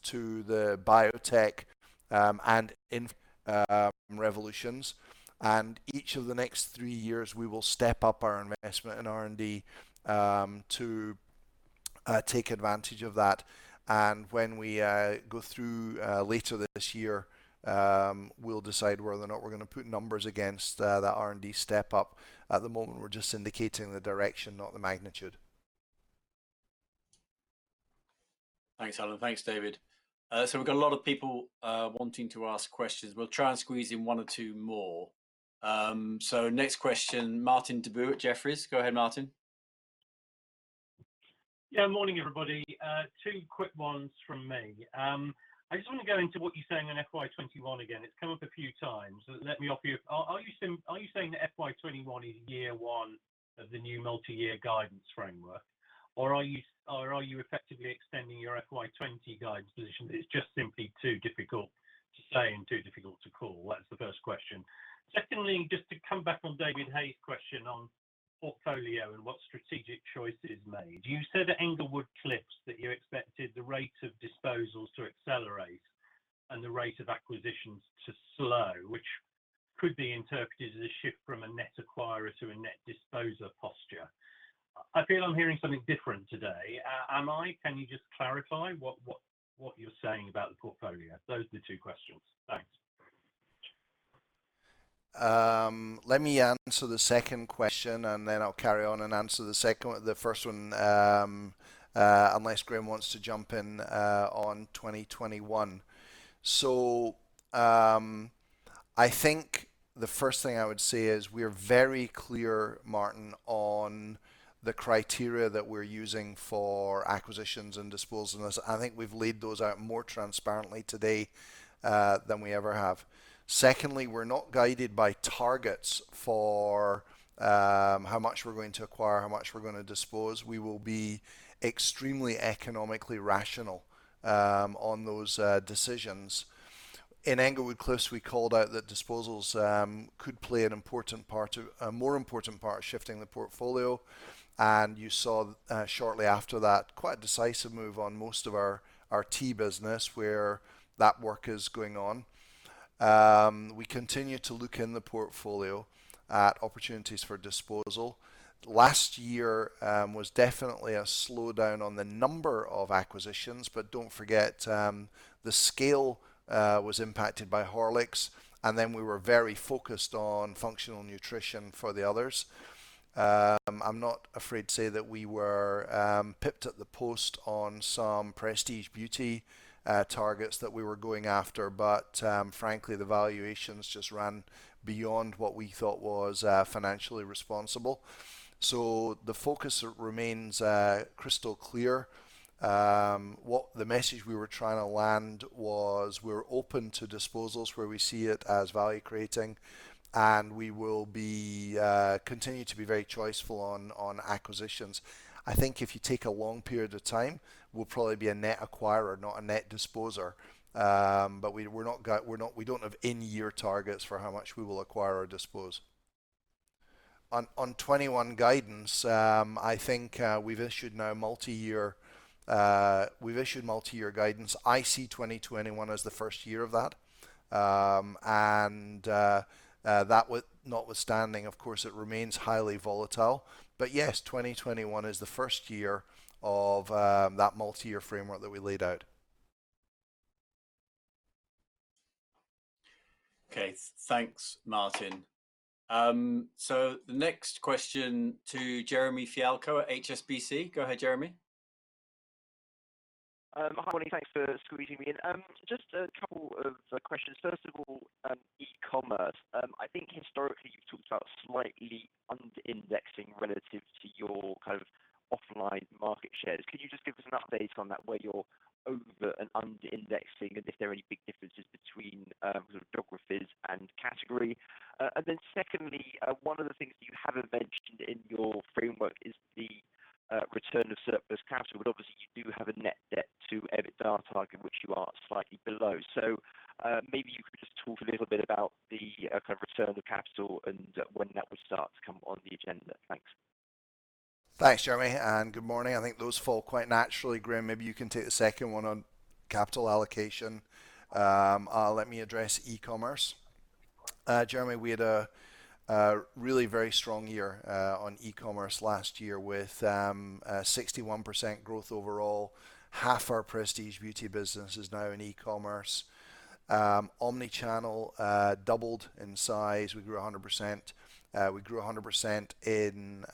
to the biotech and info revolutions, and each of the next three years, we will step up our investment in R&D to take advantage of that. When we go through later this year, we'll decide whether or not we're going to put numbers against that R&D step up. At the moment, we're just indicating the direction, not the magnitude. Thanks, Alan. Thanks, David. We've got a lot of people wanting to ask questions. We'll try and squeeze in one or two more. Next question, Martin Deboo at Jefferies. Go ahead, Martin. Morning, everybody. Two quick ones from me. I just want to go into what you are saying on FY 2021 again. It has come up a few times. Are you saying that FY 2021 is year one of the new multi-year guidance framework, or are you effectively extending your FY 2020 guidance position that it is just simply too difficult to say and too difficult to call? That is the first question. Just to come back on David Hayes' question on portfolio and what strategic choices made. You said at Englewood Cliffs that you expected the rate of disposals to accelerate and the rate of acquisitions to slow, which could be interpreted as a shift from a net acquirer to a net disposer posture. I feel I am hearing something different today. Am I? Can you just clarify what you are saying about the portfolio? Those are the two questions. Thanks. Let me answer the second question, and then I'll carry on and answer the first one, unless Graeme wants to jump in on 2021. I think the first thing I would say is we're very clear, Martin, on the criteria that we're using for acquisitions and disposals, and I think we've laid those out more transparently today than we ever have. Secondly, we're not guided by targets for how much we're going to acquire, how much we're going to dispose. We will be extremely economically rational on those decisions. In Englewood Cliffs, we called out that disposals could play a more important part of shifting the portfolio, and you saw shortly after that quite a decisive move on most of our tea business where that work is going on. We continue to look in the portfolio at opportunities for disposal. Last year was definitely a slowdown on the number of acquisitions, but don't forget, the scale was impacted by Horlicks, and then we were very focused on functional nutrition for the others. I'm not afraid to say that we were pipped at the post on some prestige beauty targets that we were going after. Frankly, the valuations just ran beyond what we thought was financially responsible. The focus remains crystal clear. The message we were trying to land was we're open to disposals where we see it as value creating, and we will continue to be very choiceful on acquisitions. I think if you take a long period of time, we'll probably be a net acquirer, not a net disposer. We don't have in-year targets for how much we will acquire or dispose. On 2021 guidance, I think we've issued multi-year guidance. I see 2021 as the first year of that, and that notwithstanding, of course, it remains highly volatile. Yes, 2021 is the first year of that multi-year framework that we laid out. Okay. Thanks, Martin. The next question to Jeremy Fialko at HSBC. Go ahead, Jeremy. Morning. Thanks for squeezing me in. Just a couple of questions. First of all, e-commerce. I think historically you've talked about slightly under-indexing relative to your offline market shares. Could you just give us an update on that, where you're over and under-indexing, and if there are any big differences between sort of geographies and category? Secondly, one of the things you haven't mentioned in your framework is the return of surplus capital, but obviously you do have a net debt to EBITDA target, which you are slightly below. Maybe you could just talk a little bit about the kind of return of capital and when that would start to come on the agenda. Thanks. Thanks, Jeremy. Good morning. I think those fall quite naturally. Graeme, maybe you can take the second one on capital allocation. Let me address e-commerce. Jeremy, we had a really very strong year on e-commerce last year with 61% growth overall. Half our Prestige Beauty business is now in e-commerce. Omnichannel doubled in size. We grew 100% in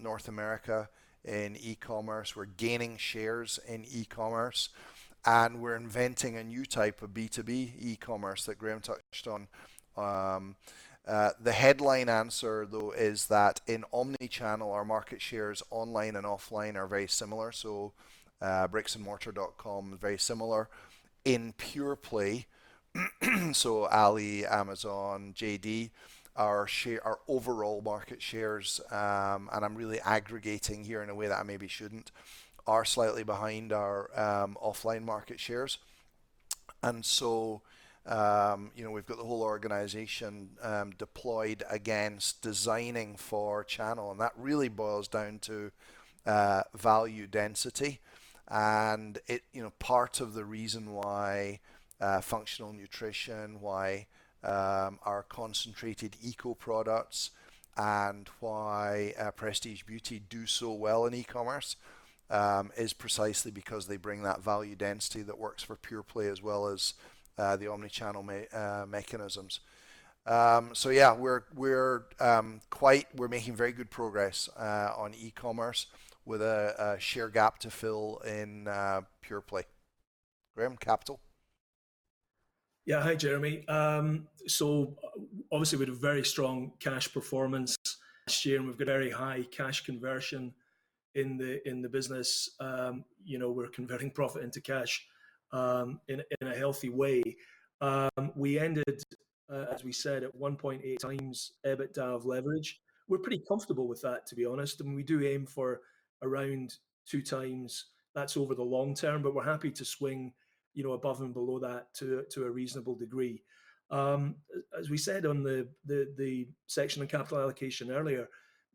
North America in e-commerce. We're gaining shares in e-commerce, and we're inventing a new type of B2B e-commerce that Graeme touched on. The headline answer, though, is that in omnichannel, our market shares online and offline are very similar, so bricksandmortar.com, very similar. In pure play, so Ali, Amazon, JD, our overall market shares, and I'm really aggregating here in a way that I maybe shouldn't, are slightly behind our offline market shares. We've got the whole organization deployed against designing for channel, and that really boils down to value density. Part of the reason why functional nutrition, why our concentrated eco products and why prestige beauty do so well in e-commerce is precisely because they bring that value density that works for pure play as well as the omnichannel mechanisms. Yeah, we're making very good progress on e-commerce with a share gap to fill in pure play. Graeme, capital. Hi, Jeremy. Obviously, we had a very strong cash performance this year, and we've got very high cash conversion in the business. We're converting profit into cash in a healthy way. We ended, as we said, at 1.8x EBITDA of leverage. We're pretty comfortable with that, to be honest, and we do aim for around two times. That's over the long term, but we're happy to swing above and below that to a reasonable degree. As we said on the section on capital allocation earlier,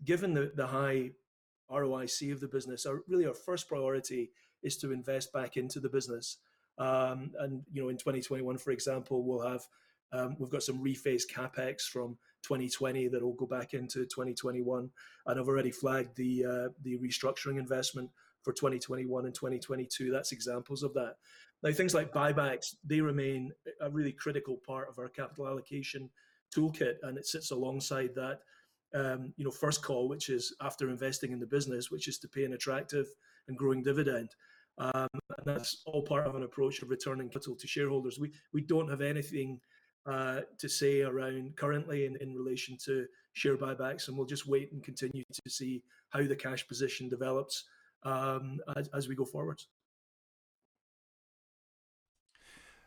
given the high ROIC of the business, really our first priority is to invest back into the business. In 2021, for example, we've got some rephased CapEx from 2020 that will go back into 2021, and I've already flagged the restructuring investment for 2021 and 2022. That's examples of that. Things like buybacks, they remain a really critical part of our capital allocation toolkit, and it sits alongside that first call, which is after investing in the business, which is to pay an attractive and growing dividend. That's all part of an approach of returning capital to shareholders. We don't have anything to say around currently in relation to share buybacks, and we'll just wait and continue to see how the cash position develops as we go forward.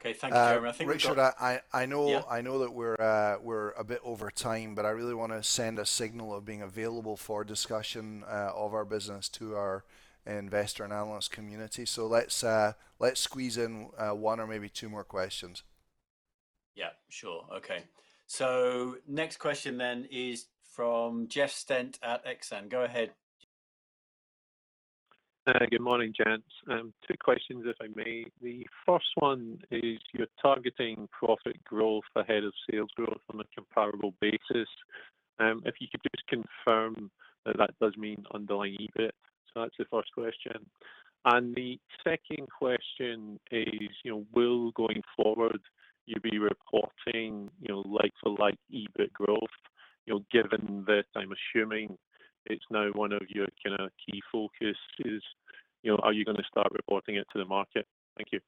Okay. Thank you, Graeme. Richard. Yeah I know that we're a bit over time. I really want to send a signal of being available for discussion of our business to our investor and analyst community. Let's squeeze in one or maybe two more questions. Yeah, sure. Okay. Next question is from Jeff Stent at Exane. Go ahead, Jeff. Good morning, gents. Two questions, if I may. The first one is you're targeting profit growth ahead of sales growth on a comparable basis. If you could just confirm that that does mean underlying EBIT. That's the first question. The second question is, will going forward you be reporting like for like EBIT growth, given that I'm assuming it's now one of your key focuses. Are you going to start reporting it to the market? Thank you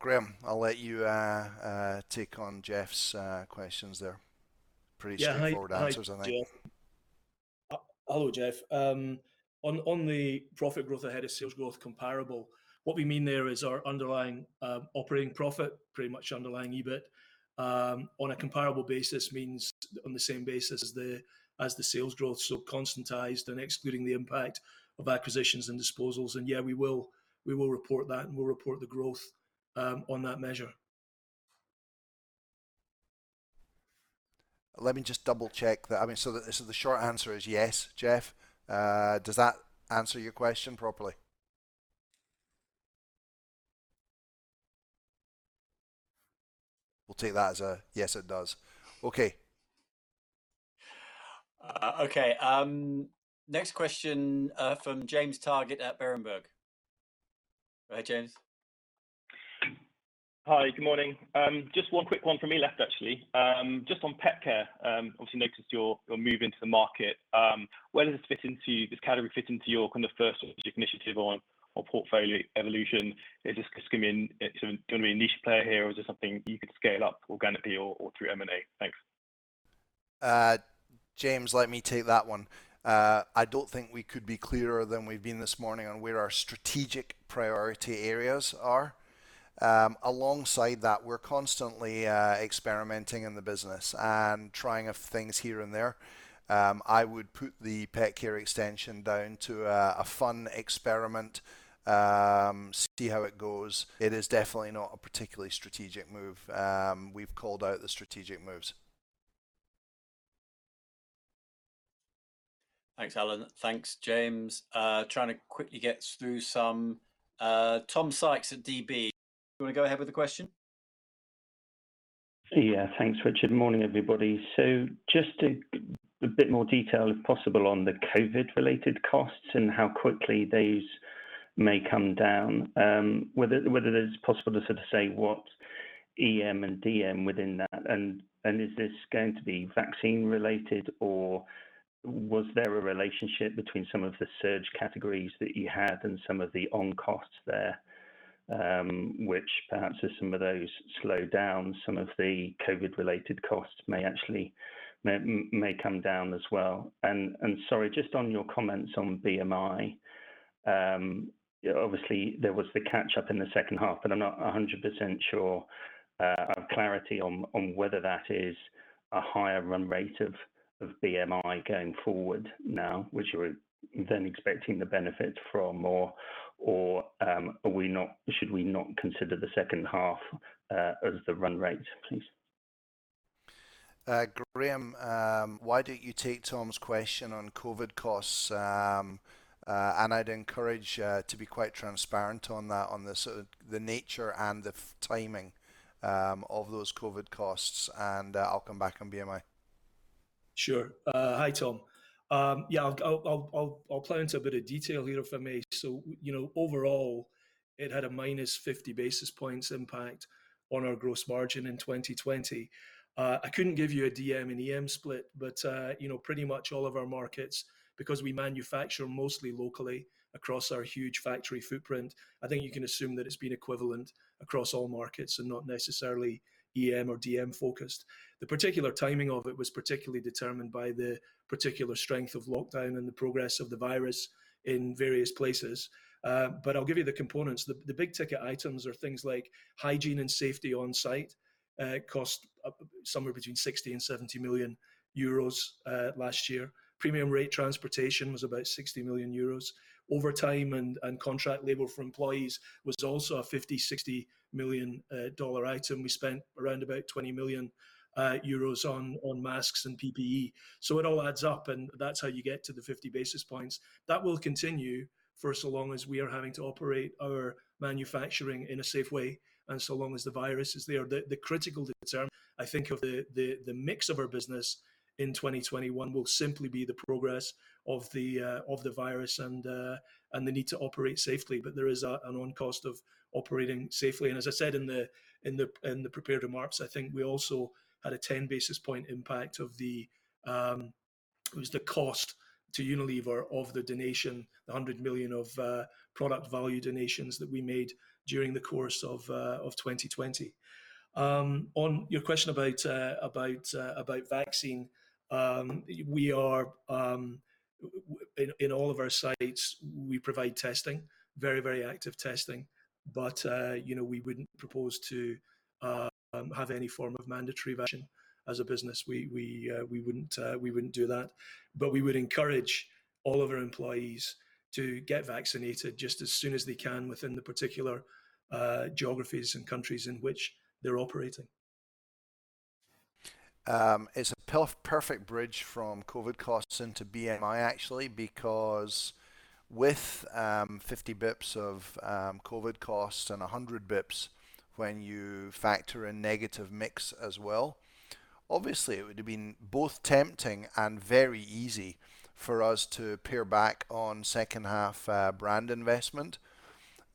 Graeme, I'll let you take on Jeff's questions there. Pretty straightforward answers, I think. Yeah. Hi, Jeff. Hello, Jeff. On the profit growth ahead of sales growth comparable, what we mean there is our underlying operating profit, pretty much underlying EBIT, on a comparable basis means on the same basis as the sales growth, so constantized and excluding the impact of acquisitions and disposals. We will report that, and we'll report the growth on that measure. Let me just double check that. The short answer is yes, Jeff. Does that answer your question properly? We'll take that as a yes, it does. Okay. Okay. Next question from James Targett at Berenberg. Go ahead, James. Hi. Good morning. Just one quick one from me left, actually. Just on pet care, obviously noticed your move into the market. Where does this category fit into your kind of first initiative on portfolio evolution? Is this going to be a niche player here, or is this something you could scale up organically or through M&A? Thanks. James, let me take that one. I don't think we could be clearer than we've been this morning on where our strategic priority areas are. Alongside that, we're constantly experimenting in the business and trying things here and there. I would put the pet care extension down to a fun experiment. See how it goes. It is definitely not a particularly strategic move. We've called out the strategic moves. Thanks, Alan. Thanks, James. Trying to quickly get through some. Tom Sykes at DB, do you want to go ahead with the question? Thanks, Richard. Morning, everybody. Just a bit more detail, if possible, on the COVID related costs and how quickly those may come down. Whether it is possible to say what EM and DM within that, and is this going to be vaccine related, or was there a relationship between some of the surge categories that you had and some of the on costs there, which perhaps as some of those slow down, some of the COVID related costs may come down as well? Sorry, just on your comments on BMI. Obviously, there was the catch up in the second half, but I'm not 100% sure of clarity on whether that is a higher run rate of BMI going forward now, which you were then expecting the benefit from, or should we not consider the second half as the run rate, please? Graeme, why don't you take Tom's question on COVID costs? I'd encourage to be quite transparent on that, on the sort of the nature and the timing of those COVID costs, and I'll come back on BMI. Sure. Hi, Tom. Yeah, I'll plow into a bit of detail here, if I may. Overall, it had a minus 50 basis points impact on our gross margin in 2020. I couldn't give you a DM and EM split, but pretty much all of our markets, because we manufacture mostly locally across our huge factory footprint, I think you can assume that it's been equivalent across all markets and not necessarily EM or DM focused. The particular timing of it was particularly determined by the particular strength of lockdown and the progress of the virus in various places. I'll give you the components. The big ticket items are things like hygiene and safety on site, cost somewhere between 60 million and 70 million euros last year. Premium rate transportation was about 60 million euros. Overtime and contract labor for employees was also a 50 million, EUR 60 million item. We spent around about 20 million euros on masks and PPE. It all adds up and that's how you get to the 50 basis points. That will continue for so long as we are having to operate our manufacturing in a safe way and so long as the virus is there. The critical determinant, I think, of the mix of our business in 2021 will simply be the progress of the virus and the need to operate safely. There is an on-cost of operating safely. As I said in the prepared remarks, I think we also had a 10 basis point impact, it was the cost to Unilever of the donation, the 100 million of product value donations that we made during the course of 2020. On your question about vaccine, in all of our sites we provide testing, very active testing, we wouldn't propose to have any form of mandatory vaccination as a business. We wouldn't do that, we would encourage all of our employees to get vaccinated just as soon as they can within the particular geographies and countries in which they're operating. It's a perfect bridge from COVID costs into BMI actually, because with 50 bips of COVID costs and 100 bips when you factor in negative mix as well, obviously it would have been both tempting and very easy for us to pare back on second half brand investment.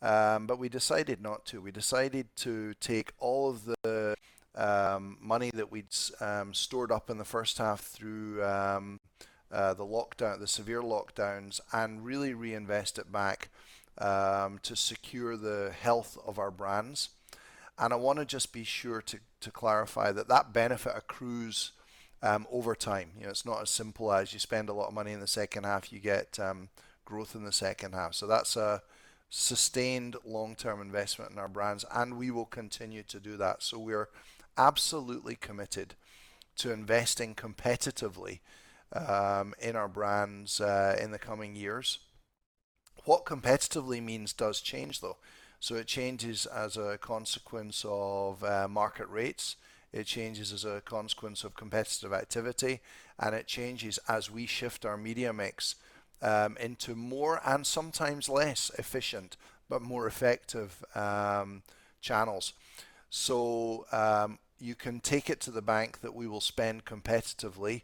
We decided not to. We decided to take all of the money that we'd stored up in the first half through the severe lockdowns and really reinvest it back to secure the health of our brands. I want to just be sure to clarify that benefit accrues over time. It's not as simple as you spend a lot of money in the second half, you get growth in the second half. That's a sustained long-term investment in our brands and we will continue to do that. We are absolutely committed to investing competitively in our brands in the coming years. What competitively means does change though. It changes as a consequence of market rates, it changes as a consequence of competitive activity, and it changes as we shift our media mix into more and sometimes less efficient but more effective channels. You can take it to the bank that we will spend competitively.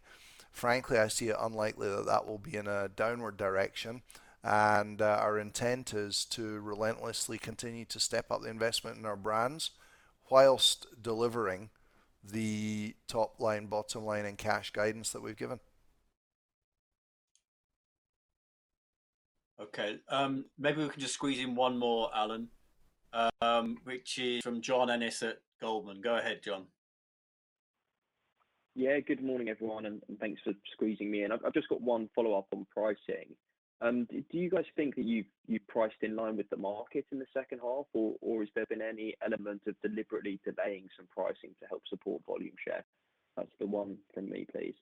Frankly, I see it unlikely that that will be in a downward direction. Our intent is to relentlessly continue to step up the investment in our brands whilst delivering the top line, bottom line, and cash guidance that we've given. Okay. Maybe we can just squeeze in one more, Alan, which is from John Ennis at Goldman. Go ahead, John. Yeah. Good morning everyone, and thanks for squeezing me in. I've just got one follow-up on pricing. Do you guys think that you priced in line with the market in the second half, or has there been any element of deliberately delaying some pricing to help support volume share? That's the one from me, please.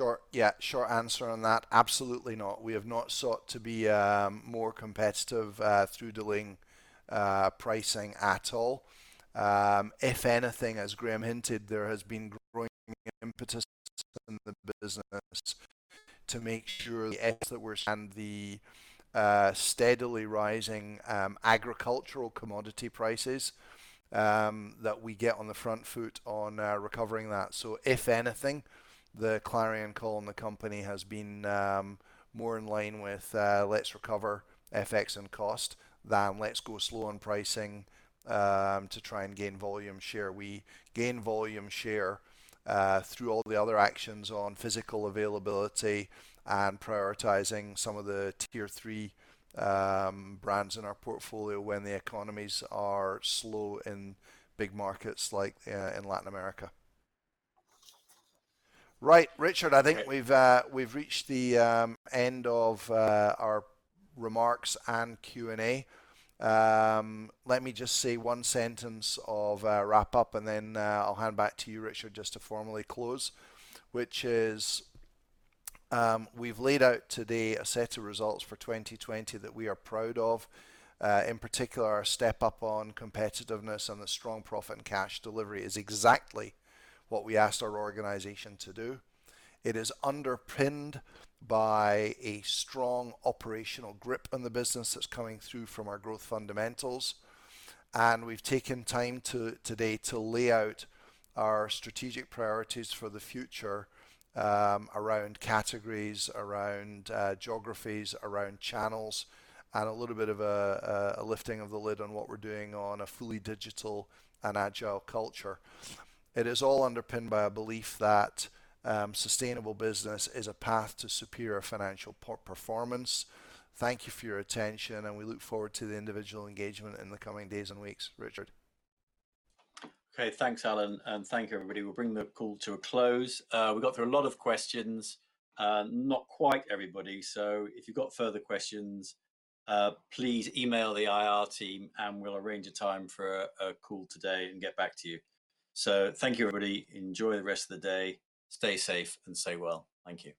Sure. Yeah. Short answer on that. Absolutely not. We have not sought to be more competitive through delaying pricing at all. If anything, as Graeme hinted, there has been growing impetus in the business to make sure that steadily rising agricultural commodity prices that we get on the front foot on recovering that. If anything, the clarion call in the company has been more in line with, let's recover FX and cost than let's go slow on pricing to try and gain volume share. We gain volume share through all the other actions on physical availability and prioritizing some of the tier 3 brands in our portfolio when the economies are slow in big markets like in Latin America. Right, Richard, I think we've reached the end of our remarks and Q&A. Let me just say one sentence of wrap up and then I'll hand back to you, Richard, just to formally close, which is, we've laid out today a set of results for 2020 that we are proud of. In particular, our step up on competitiveness and the strong profit and cash delivery is exactly what we asked our organization to do. It is underpinned by a strong operational grip on the business that's coming through from our growth fundamentals, and we've taken time today to lay out our strategic priorities for the future around categories, around geographies, around channels, and a little bit of a lifting of the lid on what we're doing on a fully digital and agile culture. It is all underpinned by a belief that sustainable business is a path to superior financial performance. Thank you for your attention, and we look forward to the individual engagement in the coming days and weeks. Richard. Okay, thanks, Alan, and thank you, everybody. We'll bring the call to a close. We got through a lot of questions, not quite everybody. If you've got further questions, please email the IR team and we'll arrange a time for a call today and get back to you. Thank you, everybody. Enjoy the rest of the day, stay safe and stay well. Thank you.